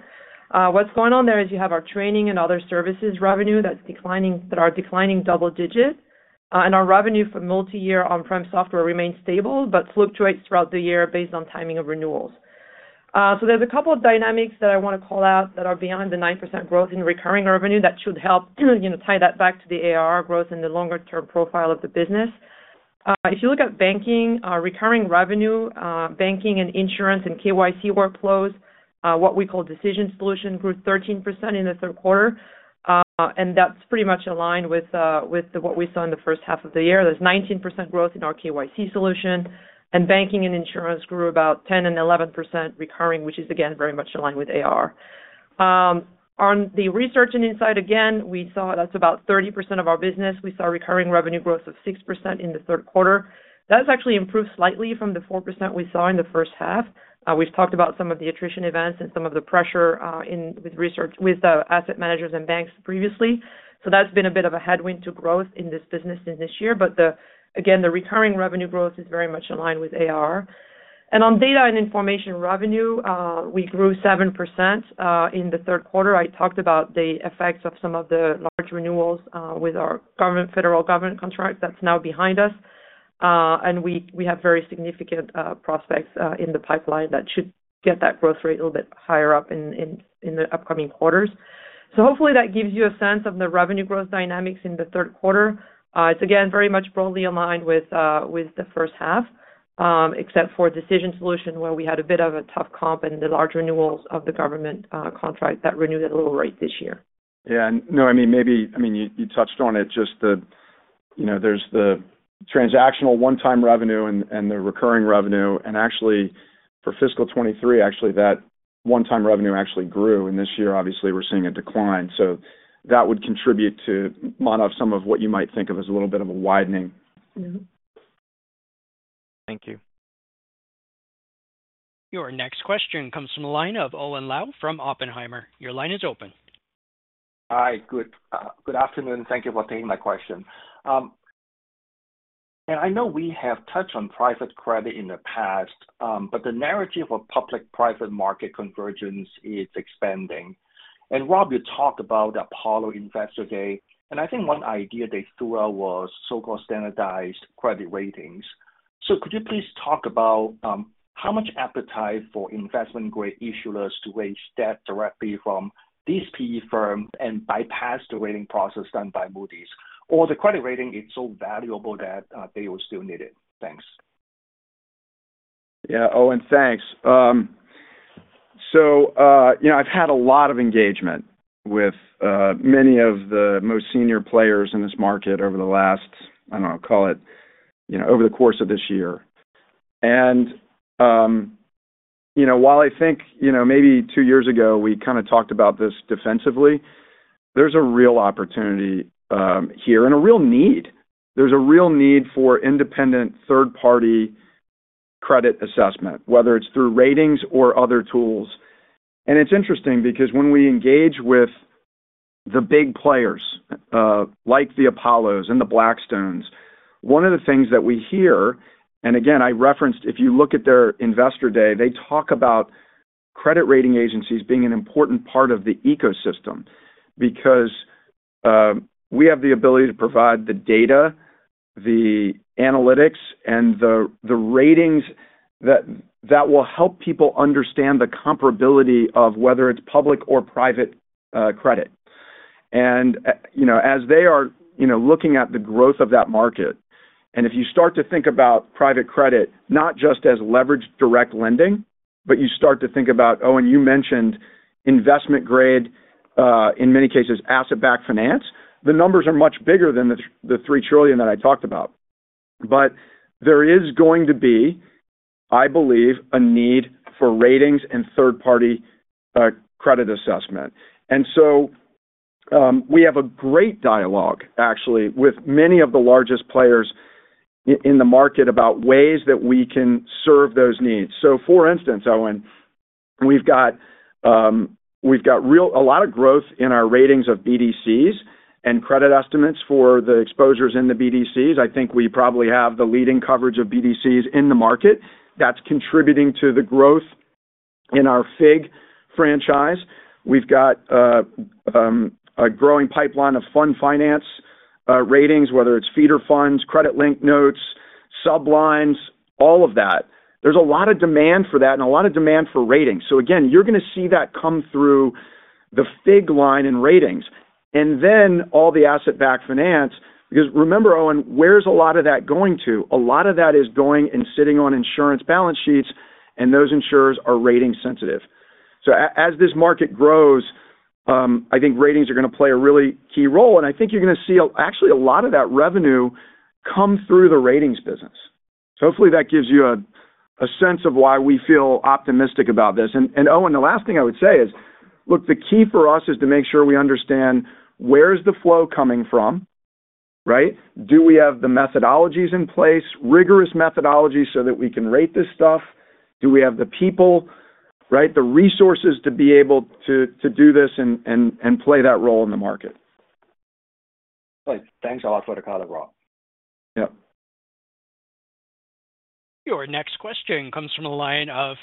Speaker 4: What's going on there is you have our training and other services revenue that's declining, that are declining double digit. And our revenue for multi-year on-prem software remains stable but fluctuates throughout the year based on timing of renewals. So there's a couple of dynamics that I wanna call out that are beyond the 9% growth in recurring revenue that should help, you know, tie that back to the ARR growth and the longer-term profile of the business. If you look at banking, recurring revenue, banking and insurance and KYC workflows, what we call Decision Solutions, grew 13% in the third quarter. And that's pretty much aligned with what we saw in the first half of the year. There's 19% growth in our KYC solution, and banking and insurance grew about 10% and 11% recurring, which is again, very much aligned with ARR. On the Research and Insights, again, we saw that's about 30% of our business. We saw recurring revenue growth of 6% in the third quarter. That's actually improved slightly from the 4% we saw in the first half. We've talked about some of the attrition events and some of the pressure in with research with the asset managers and banks previously. So that's been a bit of a headwind to growth in this business this year. But the again, the recurring revenue growth is very much in line with AR. And on Data and Information revenue, we grew 7% in the third quarter. I talked about the effects of some of the large renewals with our government federal government contract that's now behind us. And we have very significant prospects in the pipeline that should get that growth rate a little bit higher up in the upcoming quarters. So hopefully that gives you a sense of the revenue growth dynamics in the third quarter. It's again, very much broadly aligned with the first half, except for Decision Solutions, where we had a bit of a tough comp and the large renewals of the government contract that renewed at a lower rate this year.
Speaker 3: Yeah, no, I mean, maybe. I mean, you touched on it, just the, you know, there's the transactional one-time revenue and the recurring revenue. And actually, for fiscal 2023, actually, that one-time revenue actually grew, and this year, obviously, we're seeing a decline. So that would contribute to mine up some of what you might think of as a little bit of a widening.
Speaker 4: Mm-hmm.
Speaker 9: Thank you.
Speaker 1: Your next question comes from the line of Owen Lau from Oppenheimer. Your line is open.
Speaker 10: Hi, good afternoon, and thank you for taking my question. I know we have touched on private credit in the past, but the narrative of a public-private market convergence is expanding. And Rob, you talked about Apollo Investor Day, and I think one idea they threw out was so-called standardized credit ratings. So could you please talk about how much appetite for investment-grade issuers to raise debt directly from these PE firms and bypass the rating process done by Moody's? Or the credit rating is so valuable that they will still need it? Thanks.
Speaker 3: Yeah, Owen, thanks. So, you know, I've had a lot of engagement with many of the most senior players in this market over the last, I don't know, call it, you know, over the course of this year, and you know, while I think, you know, maybe two years ago, we kind of talked about this defensively, there's a real opportunity here and a real need. There's a real need for independent, third-party credit assessment, whether it's through ratings or other tools, and it's interesting because when we engage with the big players, like the Apollos and the Blackstones. One of the things that we hear, and again, I referenced, if you look at their investor day, they talk about credit rating agencies being an important part of the ecosystem. Because we have the ability to provide the data, the analytics, and the ratings that will help people understand the comparability of whether it's public or private credit. And you know, as they are, you know, looking at the growth of that market, and if you start to think about private credit, not just as leveraged direct lending, but you start to think about, Owen, you mentioned investment grade, in many cases, asset-backed finance, the numbers are much bigger than the $3 trillion that I talked about. But there is going to be, I believe, a need for ratings and third-party credit assessment. And so we have a great dialogue, actually, with many of the largest players in the market about ways that we can serve those needs. So for instance, Owen, we've got a lot of growth in our ratings of BDCs and credit estimates for the exposures in the BDCs. I think we probably have the leading coverage of BDCs in the market. That's contributing to the growth in our FIG franchise. We've got a growing pipeline of fund finance ratings, whether it's feeder funds, credit link notes, sublines, all of that. There's a lot of demand for that and a lot of demand for ratings. So again, you're going to see that come through the FIG line in ratings, and then all the asset-backed finance. Because remember, Owen, where's a lot of that going to? A lot of that is going and sitting on insurance balance sheets, and those insurers are rating sensitive. As this market grows, I think ratings are going to play a really key role, and I think you're going to see actually a lot of that revenue come through the ratings business. Hopefully that gives you a sense of why we feel optimistic about this. Owen, the last thing I would say is, look, the key for us is to make sure we understand where is the flow coming from, right? Do we have the methodologies in place, rigorous methodologies, so that we can rate this stuff? Do we have the people, right, the resources to be able to do this and play that role in the market?
Speaker 10: Great. Thanks a lot for the color, Rob.
Speaker 3: Yep.
Speaker 1: Your next question comes from the line of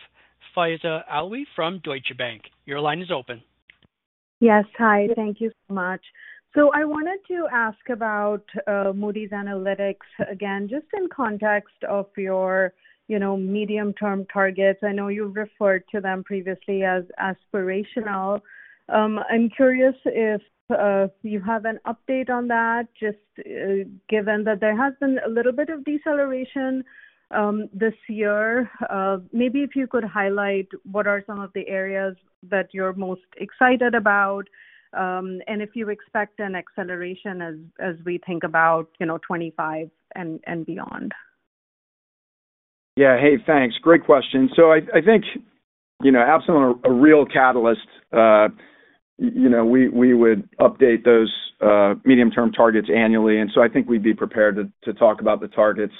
Speaker 1: Faiza Alwy from Deutsche Bank. Your line is open.
Speaker 11: Yes. Hi, thank you so much. So I wanted to ask about Moody's Analytics again, just in context of your, you know, medium-term targets. I know you've referred to them previously as aspirational. I'm curious if you have an update on that, just given that there has been a little bit of deceleration this year. Maybe if you could highlight what are some of the areas that you're most excited about, and if you expect an acceleration as we think about, you know, 2025 and beyond.
Speaker 3: Yeah. Hey, thanks. Great question. So I think, you know, absent a real catalyst, you know, we would update those medium-term targets annually, and so I think we'd be prepared to talk about the targets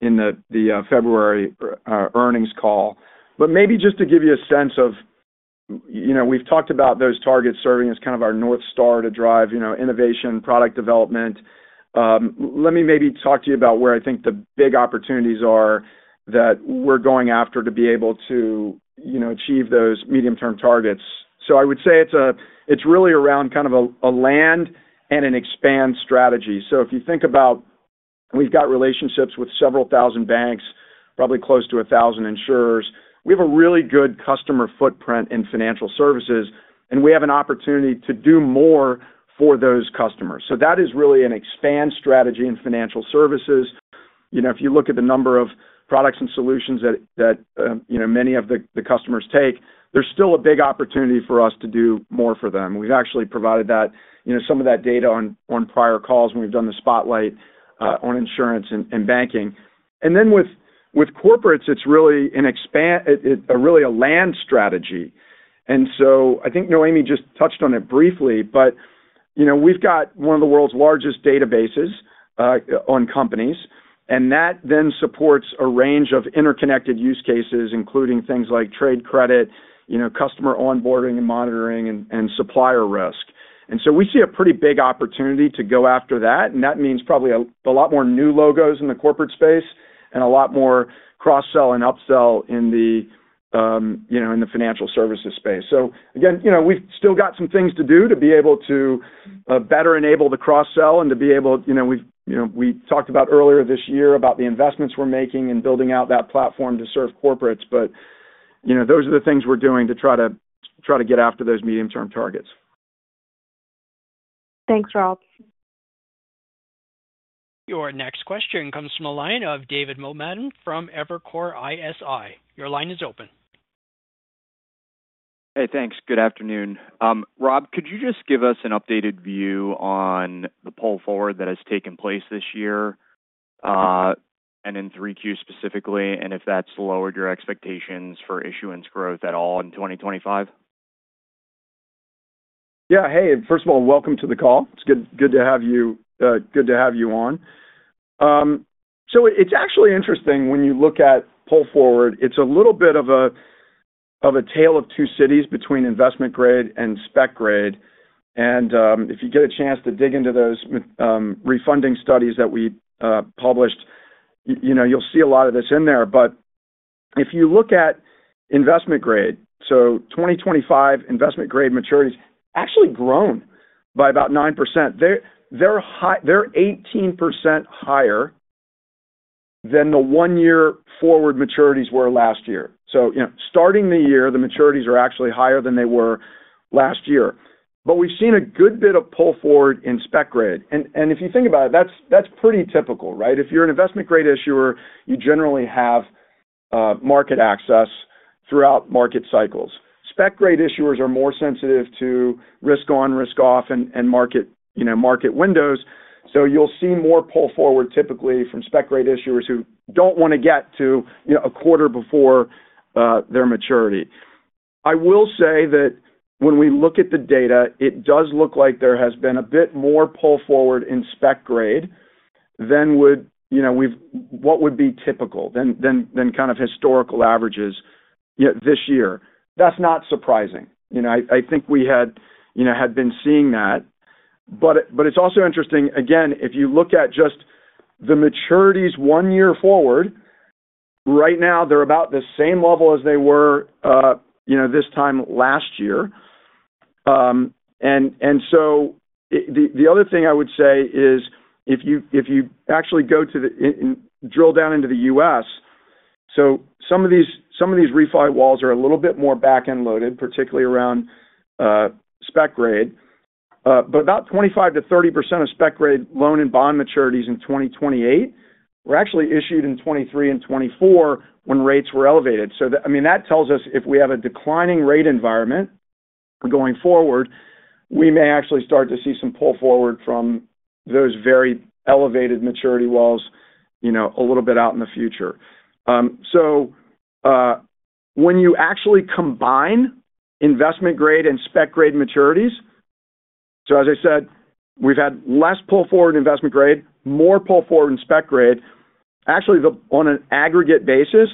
Speaker 3: in the February earnings call. But maybe just to give you a sense of... You know, we've talked about those targets serving as kind of our North Star to drive, you know, innovation, product development. Let me maybe talk to you about where I think the big opportunities are that we're going after to be able to, you know, achieve those medium-term targets. So I would say it's really around kind of a land and an expand strategy. So if you think about, we've got relationships with several thousand banks, probably close to a thousand insurers. We have a really good customer footprint in financial services, and we have an opportunity to do more for those customers. So that is really an expand strategy in financial services. You know, if you look at the number of products and solutions that you know, many of the customers take, there's still a big opportunity for us to do more for them. We've actually provided that, you know, some of that data on prior calls when we've done the spotlight on insurance and banking. And then with corporates, it's really a land strategy. And so I think Noémie just touched on it briefly, but you know, we've got one of the world's largest databases on companies, and that then supports a range of interconnected use cases, including things like trade credit, you know, customer onboarding and monitoring, and supplier risk. And so we see a pretty big opportunity to go after that, and that means probably a lot more new logos in the corporate space and a lot more cross-sell and up-sell in the you know, in the financial services space. So again, you know, we've still got some things to do to be able to better enable the cross-sell and to be able... You know, we've, you know, we talked about earlier this year about the investments we're making in building out that platform to serve corporates, but, you know, those are the things we're doing to try to get after those medium-term targets.
Speaker 11: Thanks, Rob.
Speaker 1: Your next question comes from the line of David Milman from Evercore ISI. Your line is open.
Speaker 12: Hey, thanks. Good afternoon. Rob, could you just give us an updated view on the pull forward that has taken place this year, and in 3Q specifically, and if that's lowered your expectations for issuance growth at all in 2025?
Speaker 3: Yeah. Hey, first of all, welcome to the call. It's good to have you on. So it's actually interesting when you look at pull forward. It's a little bit of a tale of two cities between investment grade and spec grade. And if you get a chance to dig into those refunding studies that we published, you know, you'll see a lot of this in there. But if you look at investment grade, so 2025 investment grade maturities actually grown by about 9%. They're 18% higher than the one-year forward maturities were last year. So, you know, starting the year, the maturities are actually higher than they were last year. But we've seen a good bit of pull forward in spec grade. If you think about it, that's pretty typical, right? If you're an investment grade issuer, you generally have market access throughout market cycles. Spec grade issuers are more sensitive to risk on, risk off, and market, you know, market windows, so you'll see more pull forward, typically from spec grade issuers who don't wanna get to, you know, a quarter before their maturity. I will say that when we look at the data, it does look like there has been a bit more pull forward in spec grade than would, what would be typical than kind of historical averages, yet this year. That's not surprising. You know, I think we had, you know, been seeing that. But it's also interesting, again, if you look at just the maturities one year forward, right now, they're about the same level as they were, you know, this time last year. And so the other thing I would say is, if you actually go and drill down into the U.S., so some of these refi walls are a little bit more back-end loaded, particularly around spec grade. But about 25%-30% of spec grade loan and bond maturities in 2028 were actually issued in 2023 and 2024, when rates were elevated. So, I mean, that tells us if we have a declining rate environment going forward, we may actually start to see some pull forward from those very elevated maturity walls, you know, a little bit out in the future. So, when you actually combine investment grade and spec grade maturities, so as I said, we've had less pull forward investment grade, more pull forward in spec grade. Actually, on an aggregate basis,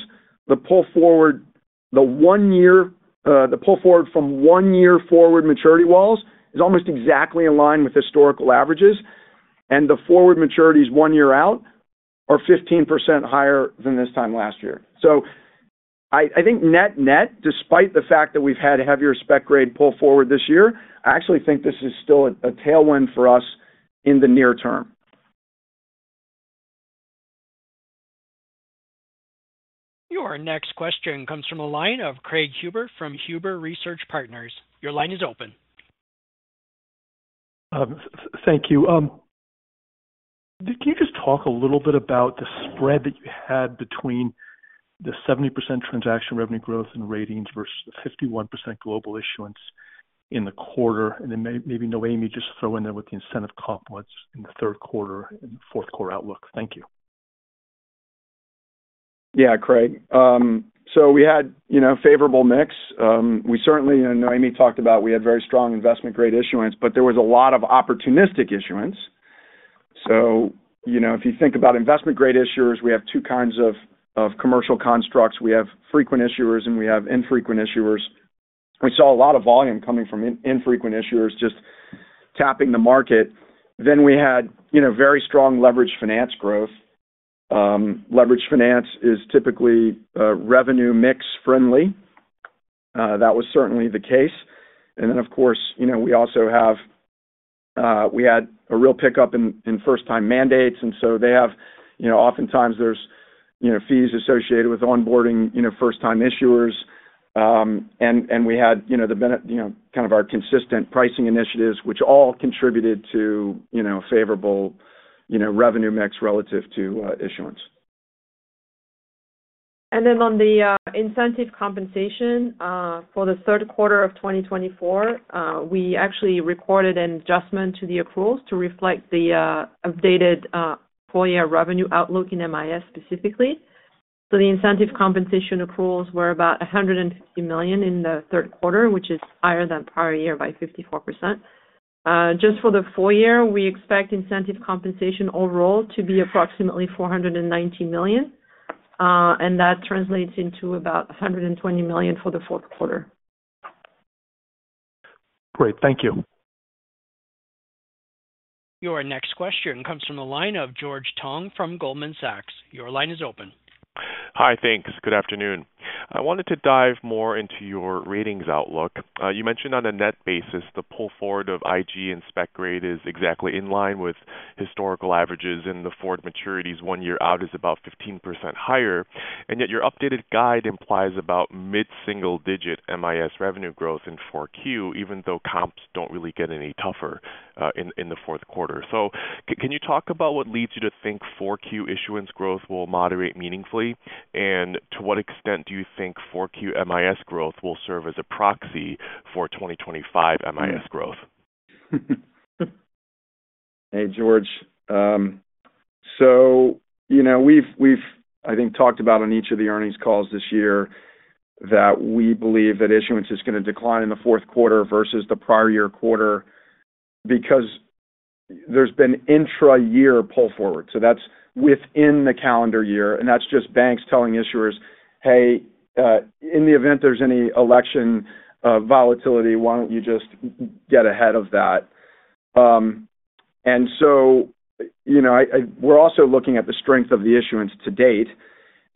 Speaker 3: the pull forward, the one year, the pull forward from one year forward maturity walls is almost exactly in line with historical averages, and the forward maturities one year out are 15% higher than this time last year. So I think net, despite the fact that we've had heavier spec grade pull forward this year, I actually think this is still a tailwind for us in the near term.
Speaker 1: Your next question comes from a line of Craig Huber from Huber Research Partners. Your line is open.
Speaker 13: Thank you. Can you just talk a little bit about the spread that you had between the 70% transaction revenue growth and ratings versus 51% global issuance in the quarter? And then maybe, Noémie, just throw in there with the incentive comp, what's in the third quarter and fourth quarter outlook. Thank you. Yeah, Craig. So we had, you know, favorable mix. We certainly, and Noémie talked about, we had very strong investment grade issuance, but there was a lot of opportunistic issuance. So you know, if you think about investment grade issuers, we have two kinds of commercial constructs. We have frequent issuers, and we have infrequent issuers. We saw a lot of volume coming from infrequent issuers, just tapping the market. Then we had, you know, very strong leveraged finance growth. Leveraged finance is typically revenue mix friendly. That was certainly the case. And then, of course, you know, we also have, we had a real pickup in first-time mandates, and so they have you know, oftentimes there's, you know, fees associated with onboarding, you know, first-time issuers. We had, you know, kind of our consistent pricing initiatives, which all contributed to, you know, favorable, you know, revenue mix relative to issuance.
Speaker 4: And then on the incentive compensation for the third quarter of 2024, we actually recorded an adjustment to the accruals to reflect the updated full year revenue outlook in MIS specifically. So the incentive compensation accruals were about $150 million in the third quarter, which is higher than prior year by 54%. Just for the full year, we expect incentive compensation overall to be approximately $490 million, and that translates into about $120 million for the fourth quarter.
Speaker 13: Great. Thank you.
Speaker 1: Your next question comes from the line of George Tong from Goldman Sachs. Your line is open.
Speaker 14: Hi, thanks. Good afternoon. I wanted to dive more into your ratings outlook. You mentioned on a net basis, the pull forward of IG and spec grade is exactly in line with historical averages, and the forward maturities one year out is about 15% higher. And yet your updated guide implies about mid-single digit MIS revenue growth in 4Q, even though comps don't really get any tougher in the fourth quarter. So can you talk about what leads you to think 4Q issuance growth will moderate meaningfully? And to what extent do you think 4Q MIS growth will serve as a proxy for 2025 MIS growth?
Speaker 3: Hey, George. So you know, we've talked about on each of the earnings calls this year that we believe that issuance is gonna decline in the fourth quarter versus the prior year quarter because there's been intra-year pull forward, so that's within the calendar year, and that's just banks telling issuers, "Hey, in the event there's any election volatility, why don't you just get ahead of that?" You know, we're also looking at the strength of the issuance to date,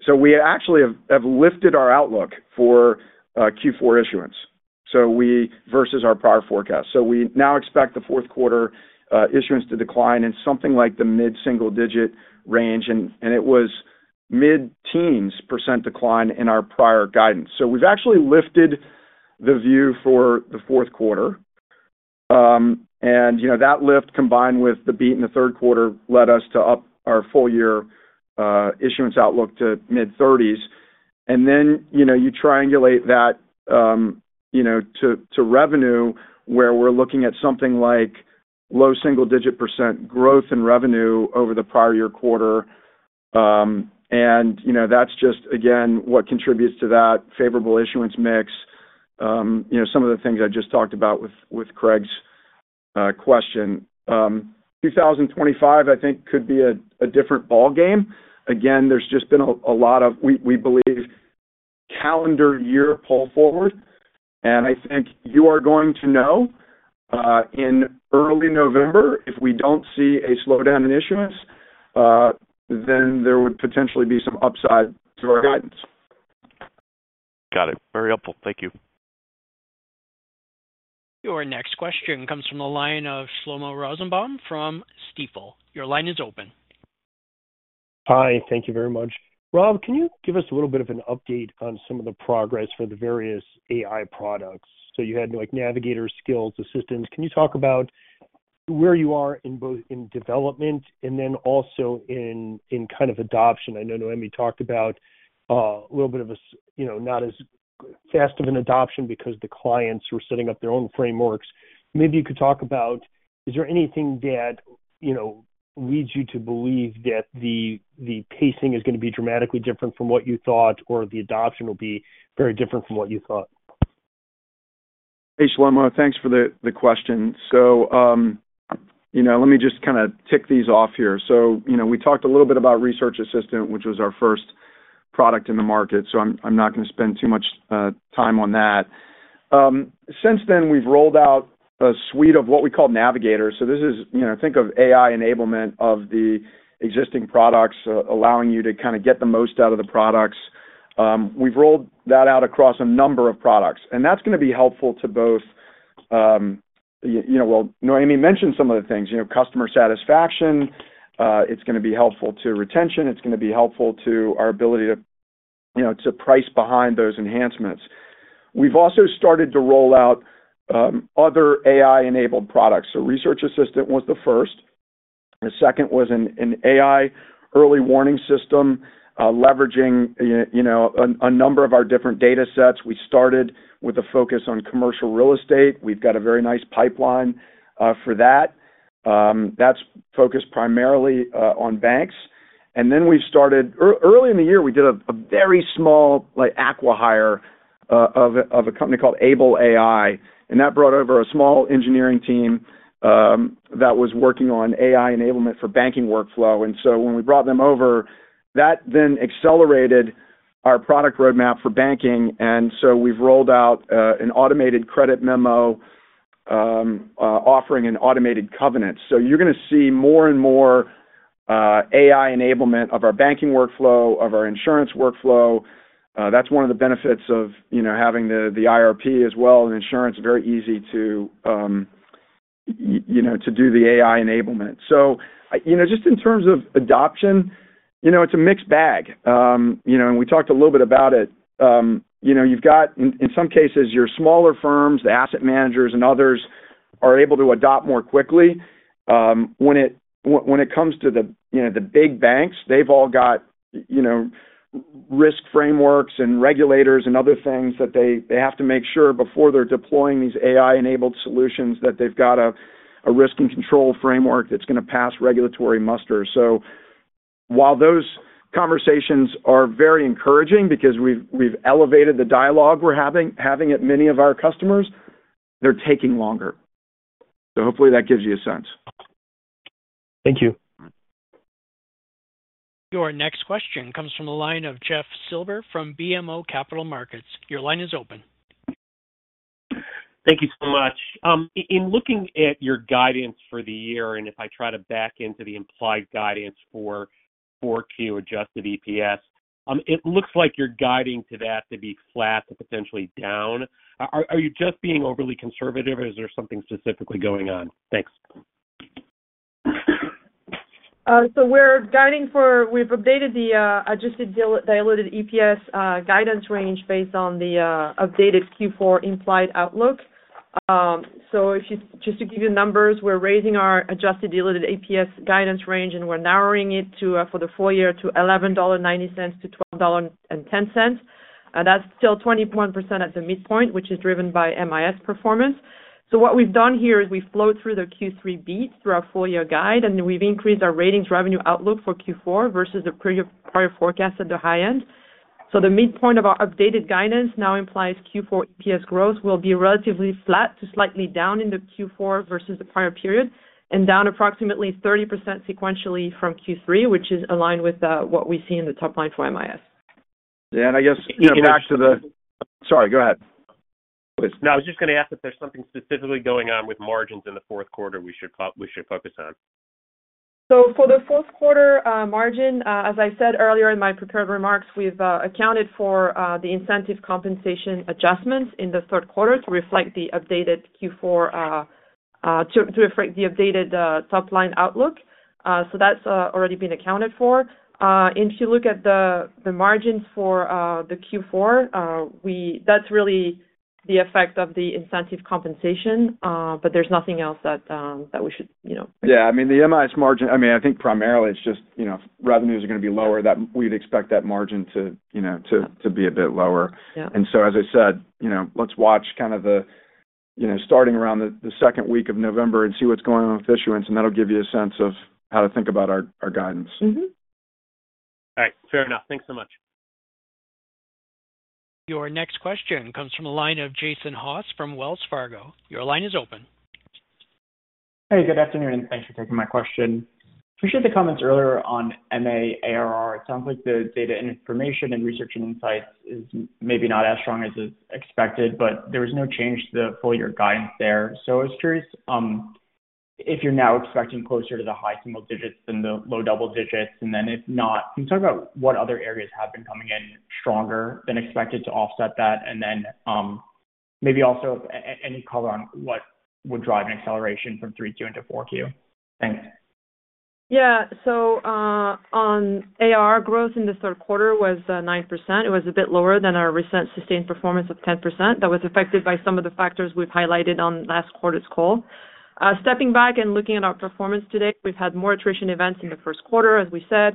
Speaker 3: so we actually have lifted our outlook for Q4 issuance versus our prior forecast, so we now expect the fourth quarter issuance to decline in something like the mid-single digit range, and it was mid-teens percent decline in our prior guidance, so we've actually lifted the view for the fourth quarter. And, you know, that lift, combined with the beat in the third quarter, led us to up our full year issuance outlook to mid-30s. And then, you know, you triangulate that, you know, to, to revenue, where we're looking at something like low single digit percent growth in revenue over the prior year quarter. And, you know, that's just, again, what contributes to that favorable issuance mix. You know, some of the things I just talked about with, with Craig's, question. 2025, I think, could be a, a different ballgame. Again, there's just been a, a lot of, we, we believe, calendar year pull forward. And I think you are going to know, in early November, if we don't see a slowdown in issuance, then there would potentially be some upside to our guidance.
Speaker 15: Got it. Very helpful. Thank you.
Speaker 1: Your next question comes from the line of Shlomo Rosenbaum from Stifel. Your line is open.
Speaker 16: Hi, thank you very much. Rob, can you give us a little bit of an update on some of the progress for the various AI products? So you had, like, Navigators Research Assistant. Can you talk about where you are in both in development and then also in, in kind of adoption? I know Noémie talked about a little bit of a you know, not as fast of an adoption because the clients were setting up their own frameworks. Maybe you could talk about, is there anything that, you know, leads you to believe that the, the pacing is gonna be dramatically different from what you thought or the adoption will be very different from what you thought?
Speaker 3: Hey, Shlomo, thanks for the question. So, you know, let me just kind of tick these off here. So, you know, we talked a little bit about Research Assistant, which was our first product in the market, so I'm not gonna spend too much time on that. Since then, we've rolled out a suite of what we call Navigators. So this is... You know, think of AI enablement of the existing products, allowing you to kind of get the most out of the products. We've rolled that out across a number of products, and that's gonna be helpful to both, you know, well, Noémie mentioned some of the things, you know, customer satisfaction. It's gonna be helpful to retention. It's gonna be helpful to our ability to, you know, to price behind those enhancements. We've also started to roll out other AI-enabled products. So Research Assistant was the first. The second was an AI early warning system, leveraging you know a number of our different datasets. We started with a focus on commercial real estate. We've got a very nice pipeline for that. That's focused primarily on banks. And then early in the year, we did a very small, like, acqui-hire of a company called Able AI, and that brought over a small engineering team that was working on AI enablement for banking workflow. And so when we brought them over, that then accelerated our product roadmap for banking, and so we've rolled out an automated credit memo offering an automated covenant. So you're gonna see more and more, AI enablement of our banking workflow, of our insurance workflow. That's one of the benefits of, you know, having the, the IRP as well, and insurance is very easy to, you know, to do the AI enablement. So, you know, just in terms of adoption, you know, it's a mixed bag. You know, and we talked a little bit about it. You know, you've got, in some cases, your smaller firms, the asset managers and others, are able to adopt more quickly. When it comes to the, you know, the big banks, they've all got, you know, risk frameworks and regulators and other things that they have to make sure before they're deploying these AI-enabled solutions, that they've got a risk and control framework that's gonna pass regulatory muster. So while those conversations are very encouraging, because we've elevated the dialogue we're having at many of our customers, they're taking longer. So hopefully that gives you a sense.
Speaker 16: Thank you.
Speaker 1: Your next question comes from the line of Jeff Silber from BMO Capital Markets. Your line is open.
Speaker 15: Thank you so much. In looking at your guidance for the year, and if I try to back into the implied guidance for 4Q adjusted EPS, it looks like you're guiding to that to be flat to potentially down. Are you just being overly conservative or is there something specifically going on? Thanks.
Speaker 4: We've updated the adjusted diluted EPS guidance range based on the updated Q4 implied outlook. Just to give you numbers, we're raising our adjusted diluted EPS guidance range, and we're narrowing it to, for the full year, $11.90-$12.10. That's still 21% at the midpoint, which is driven by MIS performance. What we've done here is we've flowed through the Q3 beats through our full year guide, and we've increased our ratings revenue outlook for Q4 versus the prior forecast at the high end. The midpoint of our updated guidance now implies Q4 EPS growth will be relatively flat to slightly down into Q4 versus the prior period, and down approximately 30% sequentially from Q3, which is aligned with what we see in the top line for MIS.
Speaker 3: Yeah, and I guess, you know, back to the. Sorry, go ahead.
Speaker 15: No, I was just going to ask if there's something specifically going on with margins in the fourth quarter we should focus on?
Speaker 4: So for the fourth quarter, margin, as I said earlier in my prepared remarks, we've accounted for the incentive compensation adjustments in the third quarter to reflect the updated Q4, to reflect the updated top-line outlook. So that's already been accounted for. If you look at the margins for the Q4, that's really the effect of the incentive compensation, but there's nothing else that we should, you know-
Speaker 3: Yeah, I mean, the MIS margin. I mean, I think primarily it's just, you know, revenues are going to be lower, that we'd expect that margin to, you know, to be a bit lower.
Speaker 4: Yeah.
Speaker 3: As I said, you know, let's watch kind of, you know, starting around the second week of November and see what's going on with issuance, and that'll give you a sense of how to think about our guidance.
Speaker 4: Mm-hmm.
Speaker 15: All right. Fair enough. Thanks so much.
Speaker 1: Your next question comes from the line of Jason Haas from Wells Fargo. Your line is open.
Speaker 17: Hey, good afternoon, and thanks for taking my question. Appreciate the comments earlier on MA ARR. It sounds like the data and information and Research and Insights is maybe not as strong as is expected, but there was no change to the full year guidance there. So I was curious, if you're now expecting closer to the high single digits than the low double digits, and then if not, can you talk about what other areas have been coming in stronger than expected to offset that? And then, maybe also any color on what would drive an acceleration from 3Q into 4Q? Thanks.
Speaker 4: Yeah. So, on AR, growth in the third quarter was 9%. It was a bit lower than our recent sustained performance of 10%. That was affected by some of the factors we've highlighted on last quarter's call. Stepping back and looking at our performance today, we've had more attrition events in the first quarter, as we said.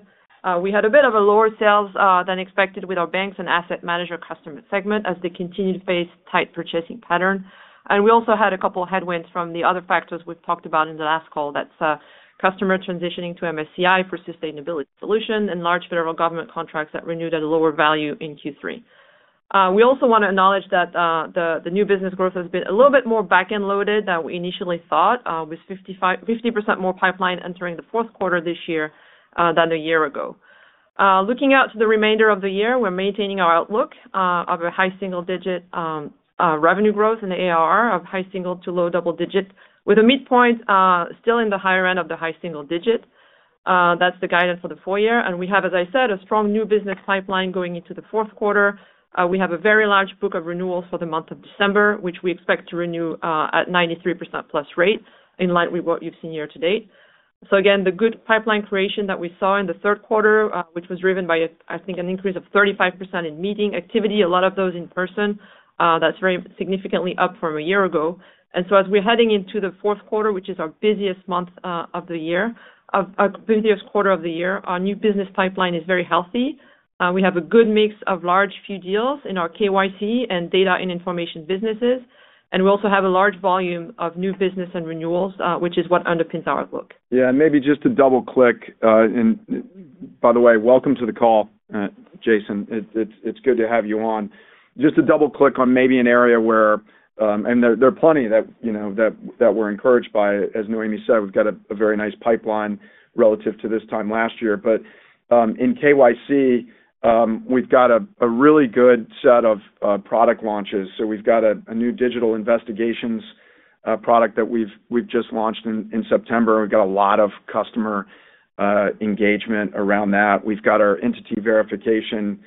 Speaker 4: We had a bit of a lower sales than expected with our banks and asset manager customer segment as they continued to face tight purchasing pattern. And we also had a couple of headwinds from the other factors we've talked about in the last call. That's customer transitioning to MSCI for sustainability solution and large federal government contracts that renewed at a lower value in Q3. We also want to acknowledge that the new business growth has been a little bit more back-end loaded than we initially thought, with 50% more pipeline entering the fourth quarter this year than a year ago. Looking out to the remainder of the year, we're maintaining our outlook of a high single digit revenue growth in the ARR of high single to low double digits, with a midpoint still in the higher end of the high single digits. That's the guidance for the full year. And we have, as I said, a strong new business pipeline going into the fourth quarter. We have a very large book of renewals for the month of December, which we expect to renew at 93% plus rates, in line with what you've seen year to date. So again, the good pipeline creation that we saw in the third quarter, which was driven by, I think, an increase of 35% in meeting activity, a lot of those in person, that's very significantly up from a year ago. And so as we're heading into the fourth quarter, which is our busiest month of the year, our busiest quarter of the year, our new business pipeline is very healthy. We have a good mix of a few large deals in our KYC and Data and Information businesses, and we also have a large volume of new business and renewals, which is what underpins our outlook.
Speaker 3: Yeah, and maybe just to double-click, and by the way, welcome to the call, Jason. It's good to have you on. Just to double-click on maybe an area where, and there are plenty that, you know, that we're encouraged by. As Noémie said, we've got a very nice pipeline relative to this time last year. But, in KYC, we've got a really good set of product launches. So we've got a new Digital Investigations product that we've just launched in September. We've got a lot of customer engagement around that. We've got our entity verification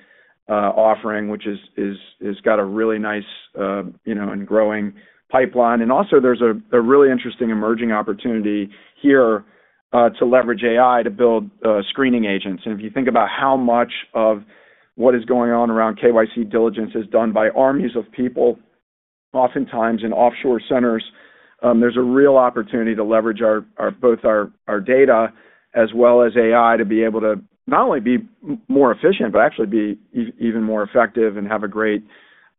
Speaker 3: offering, which is got a really nice, you know, and growing pipeline. And also, there's a really interesting emerging opportunity here to leverage AI to build screening agents. And if you think about how much of what is going on around KYC diligence is done by armies of people, oftentimes in offshore centers, there's a real opportunity to leverage our both our data as well as AI, to be able to not only be more efficient, but actually be even more effective and have a great,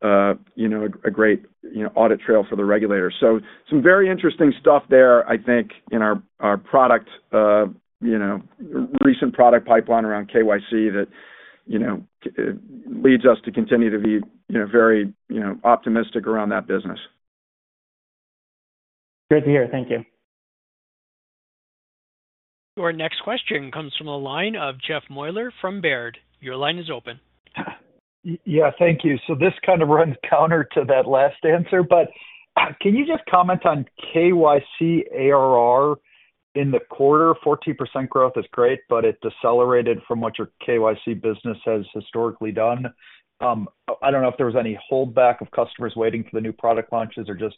Speaker 3: you know, audit trail for the regulator. So some very interesting stuff there, I think, in our product, you know, recent product pipeline around KYC that, you know, leads us to continue to be, you know, very, you know, optimistic around that business.
Speaker 17: Great to hear. Thank you.
Speaker 1: Your next question comes from the line of Jeff Meuler from Baird. Your line is open.
Speaker 18: Yeah, thank you. So this kind of runs counter to that last answer, but, can you just comment on KYC ARR in the quarter? 14% growth is great, but it decelerated from what your KYC business has historically done. I don't know if there was any holdback of customers waiting for the new product launches or just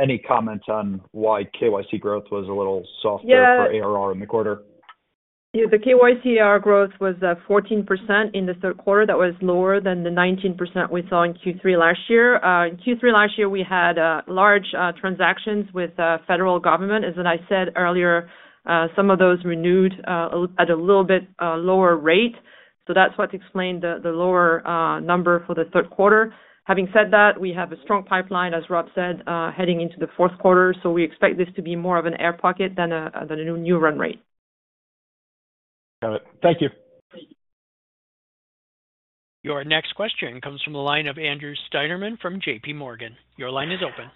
Speaker 18: any comment on why KYC growth was a little softer-
Speaker 4: Yeah.
Speaker 18: - for ARR in the quarter.
Speaker 4: Yeah, the KYC ARR growth was 14% in the third quarter. That was lower than the 19% we saw in Q3 last year. In Q3 last year, we had large transactions with federal government. As I said earlier, some of those renewed at a little bit lower rate. So that's what explained the lower number for the third quarter. Having said that, we have a strong pipeline, as Rob said, heading into the fourth quarter, so we expect this to be more of an air pocket than a new run rate. ...
Speaker 18: Got it. Thank you.
Speaker 1: Your next question comes from the line of Andrew Steinerman from JPMorgan. Your line is open.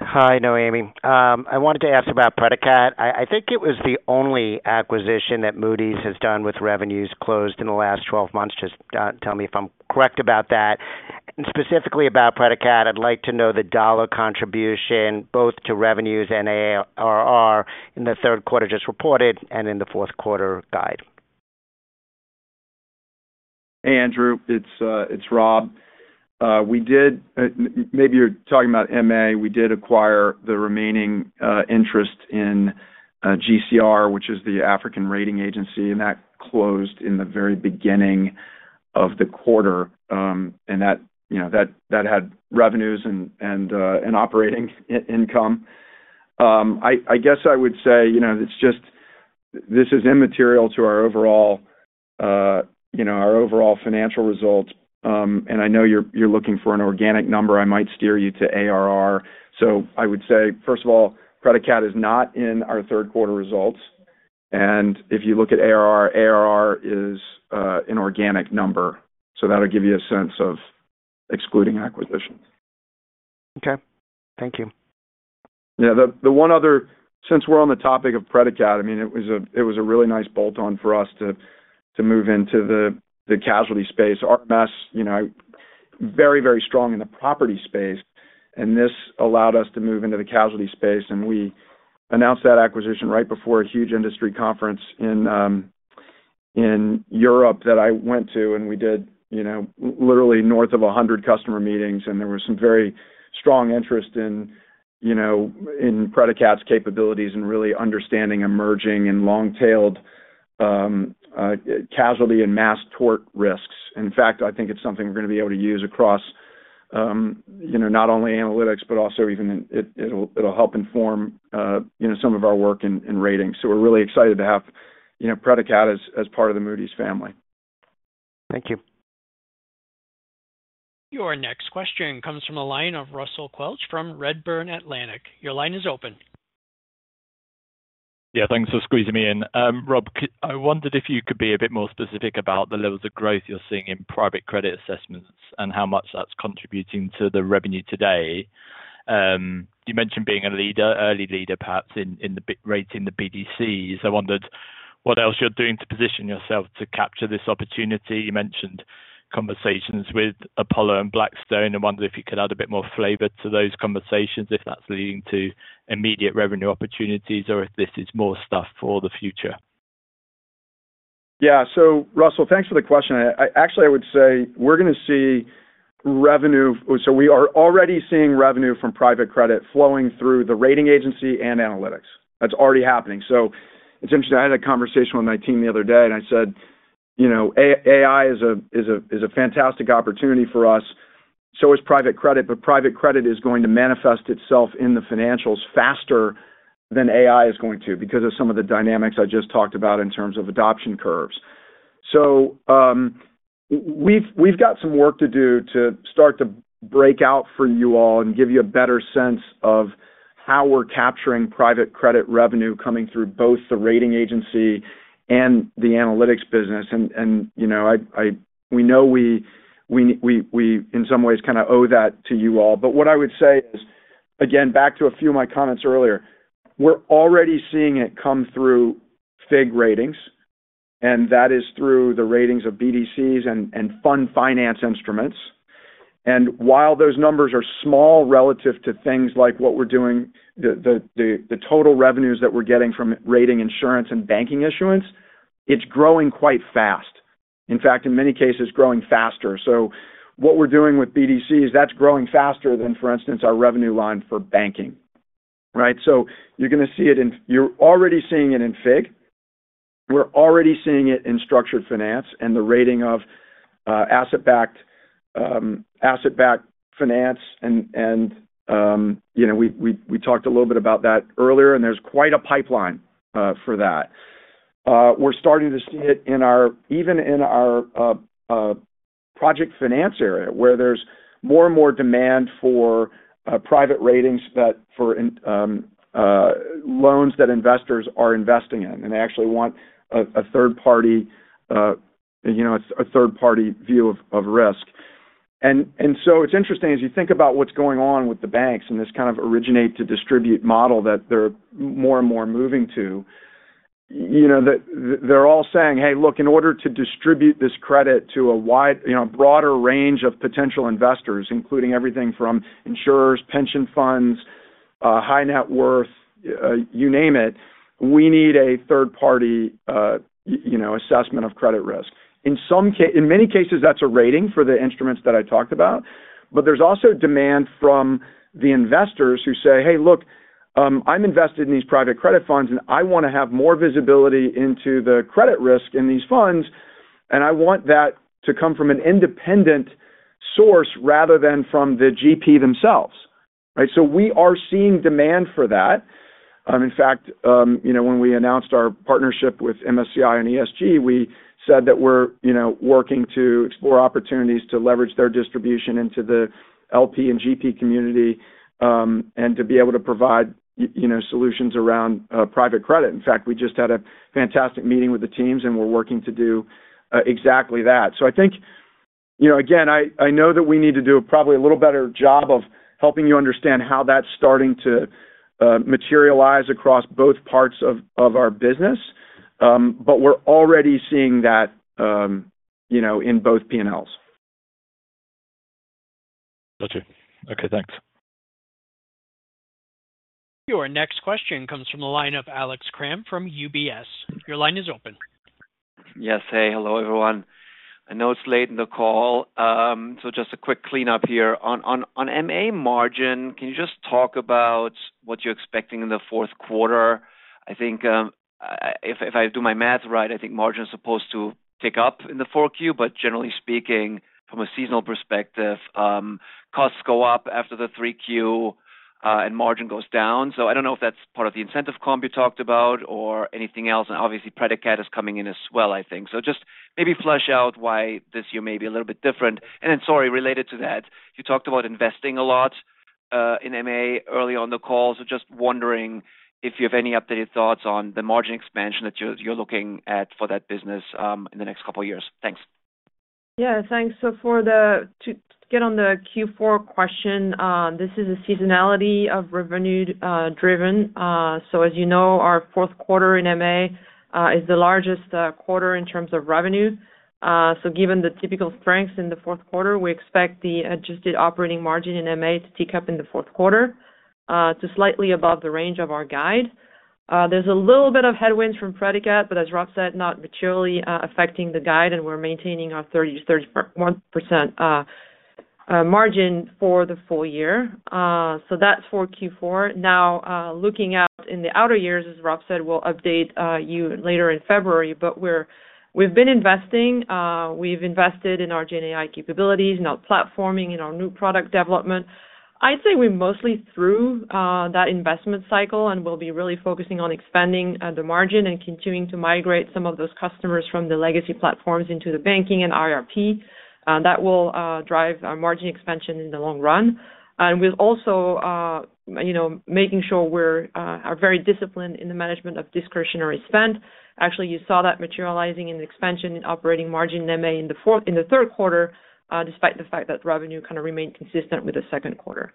Speaker 19: Hi, Noémie. I wanted to ask about Predicat. I think it was the only acquisition that Moody's has done with revenues closed in the last twelve months. Just tell me if I'm correct about that. And specifically about Predicat, I'd like to know the dollar contribution, both to revenues and ARR in the third quarter just reported and in the fourth quarter guide.
Speaker 3: Hey, Andrew, it's Rob. Maybe you're talking about MA. We did acquire the remaining interest in GCR, which is the African rating agency, and that closed in the very beginning of the quarter. And that, you know, that had revenues and operating income. I guess I would say, you know, it's just this is immaterial to our overall, you know, our overall financial results. And I know you're looking for an organic number. I might steer you to ARR. So I would say, first of all, Predicat is not in our third quarter results, and if you look at ARR, ARR is an organic number, so that'll give you a sense of excluding acquisitions.
Speaker 19: Okay. Thank you.
Speaker 3: Yeah, the one other, since we're on the topic of Predicat, I mean, it was a really nice bolt-on for us to move into the casualty space. RMS, you know, very, very strong in the property space, and this allowed us to move into the casualty space, and we announced that acquisition right before a huge industry conference in Europe that I went to, and we did, you know, literally north of a hundred customer meetings, and there was some very strong interest in, you know, in Predicat's capabilities and really understanding emerging and long-tailed casualty and mass tort risks. In fact, I think it's something we're going to be able to use across, you know, not only analytics, but also even it'll help inform, you know, some of our work in ratings. So we're really excited to have, you know, Predicat as, as part of the Moody's family.
Speaker 19: Thank you.
Speaker 1: Your next question comes from the line of Russell Quelch from Redburn Atlantic. Your line is open.
Speaker 20: Yeah, thanks for squeezing me in. Rob, I wondered if you could be a bit more specific about the levels of growth you're seeing in private credit assessments and how much that's contributing to the revenue today. You mentioned being a leader, early leader, perhaps, in, in the rating the BDCs. I wondered what else you're doing to position yourself to capture this opportunity. You mentioned conversations with Apollo and Blackstone. I wonder if you could add a bit more flavor to those conversations, if that's leading to immediate revenue opportunities or if this is more stuff for the future.
Speaker 3: Yeah. So Russell, thanks for the question. I actually would say we're going to see revenue. So we are already seeing revenue from private credit flowing through the rating agency and analytics. That's already happening. So it's interesting. I had a conversation with my team the other day, and I said, "You know, AI is a fantastic opportunity for us, so is private credit, but private credit is going to manifest itself in the financials faster than AI is going to because of some of the dynamics I just talked about in terms of adoption curves." So we've got some work to do to start to break out for you all and give you a better sense of how we're capturing private credit revenue coming through both the rating agency and the analytics business. And you know, we know we in some ways kind of owe that to you all. But what I would say is, again, back to a few of my comments earlier, we're already seeing it come through FIG ratings, and that is through the ratings of BDCs and fund finance instruments. And while those numbers are small relative to things like what we're doing, the total revenues that we're getting from rating insurance and banking issuance, it's growing quite fast. In fact, in many cases, growing faster. So what we're doing with BDCs, that's growing faster than, for instance, our revenue line for banking, right? So you're going to see it in FIG. You're already seeing it in FIG. We're already seeing it in structured finance and the rating of asset-backed finance. You know, we talked a little bit about that earlier, and there's quite a pipeline for that. We're starting to see it in our, even in our project finance area, where there's more and more demand for private ratings for loans that investors are investing in, and they actually want a third party, you know, a third-party view of risk. It's interesting, as you think about what's going on with the banks and this kind of originate to distribute model that they're more and more moving to, you know, they're all saying, "Hey, look, in order to distribute this credit to a wide, you know, broader range of potential investors, including everything from insurers, pension funds, high net worth, you name it, we need a third-party, you know, assessment of credit risk." In many cases, that's a rating for the instruments that I talked about, but there's also demand from the investors who say, "Hey, look, I'm invested in these private credit funds, and I want to have more visibility into the credit risk in these funds, and I want that to come from an independent source rather than from the GP themselves." Right? So we are seeing demand for that. In fact, you know, when we announced our partnership with MSCI and ESG, we said that we're, you know, working to explore opportunities to leverage their distribution into the LP and GP community, and to be able to provide, you know, solutions around, private credit. In fact, we just had a fantastic meeting with the teams, and we're working to do, exactly that. So I think, you know, again, I know that we need to do probably a little better job of helping you understand how that's starting to, materialize across both parts of, our business. But we're already seeing that, you know, in both P&Ls.
Speaker 20: Got you. Okay, thanks.
Speaker 1: Your next question comes from the line of Alex Kramm from UBS. Your line is open.
Speaker 21: Yes. Hey, hello, everyone. I know it's late in the call, so just a quick cleanup here. On MA margin, can you just talk about what you're expecting in the fourth quarter? I think, if I do my math right, I think margin is supposed to pick up in the 4Q, but generally speaking, from a seasonal perspective, costs go up after the 3Q, and margin goes down. So I don't know if that's part of the incentive comp you talked about or anything else, and obviously, Predicat is coming in as well, I think. So just maybe flesh out why this year may be a little bit different. And then, sorry, related to that, you talked about investing a lot in MA early on in the call. Just wondering if you have any updated thoughts on the margin expansion that you're looking at for that business in the next couple of years. Thanks.
Speaker 4: Yeah, thanks. So for the Q4 question, this is a seasonality of revenue driven. So as you know, our fourth quarter in MA is the largest quarter in terms of revenue. So given the typical strengths in the fourth quarter, we expect the adjusted operating margin in MA to tick up in the fourth quarter to slightly above the range of our guide. There's a little bit of headwinds from Predicat, but as Rob said, not materially affecting the guide, and we're maintaining our 30%-31% margin for the full year. So that's for Q4. Now, looking out in the outer years, as Rob said, we'll update you later in February, but we've been investing, we've invested in our GenAI capabilities, in our platforming, in our new product development. I'd say we're mostly through that investment cycle, and we'll be really focusing on expanding the margin and continuing to migrate some of those customers from the legacy platforms into the banking and IRP. That will drive our margin expansion in the long run. And we're also, you know, making sure we're very disciplined in the management of discretionary spend. Actually, you saw that materializing in the expansion in operating margin in MA in the third quarter, despite the fact that revenue kind of remained consistent with the second quarter.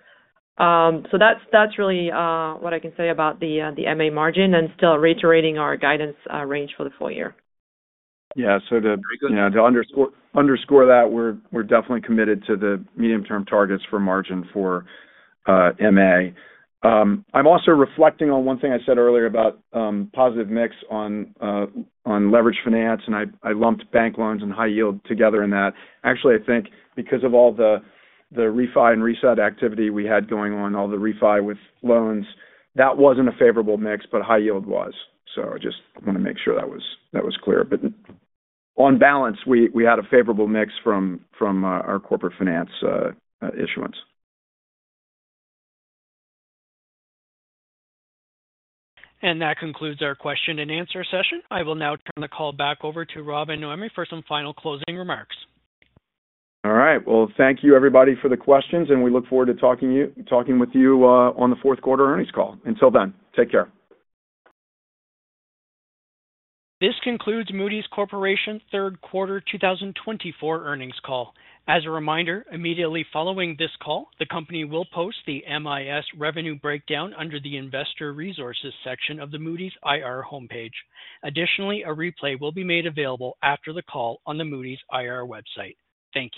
Speaker 4: So that's really what I can say about the MA margin and still reiterating our guidance range for the full year.
Speaker 3: Yeah, so to, you know, to underscore that, we're definitely committed to the medium-term targets for margin for MA. I'm also reflecting on one thing I said earlier about positive mix on leveraged finance, and I lumped bank loans and high yield together in that. Actually, I think because of all the refi and reset activity we had going on, all the refi with loans, that wasn't a favorable mix, but high yield was. So I just wanna make sure that was clear. But on balance, we had a favorable mix from our corporate finance issuance.
Speaker 1: That concludes our question and answer session. I will now turn the call back over to Rob and Noémie for some final closing remarks.
Speaker 3: All right. Well, thank you, everybody, for the questions, and we look forward to talking with you on the fourth quarter earnings call. Until then, take care.
Speaker 1: This concludes Moody's Corporation third quarter 2024 earnings call. As a reminder, immediately following this call, the company will post the MIS revenue breakdown under the Investor Resources section of the Moody's IR homepage. Additionally, a replay will be made available after the call on the Moody's IR website. Thank you.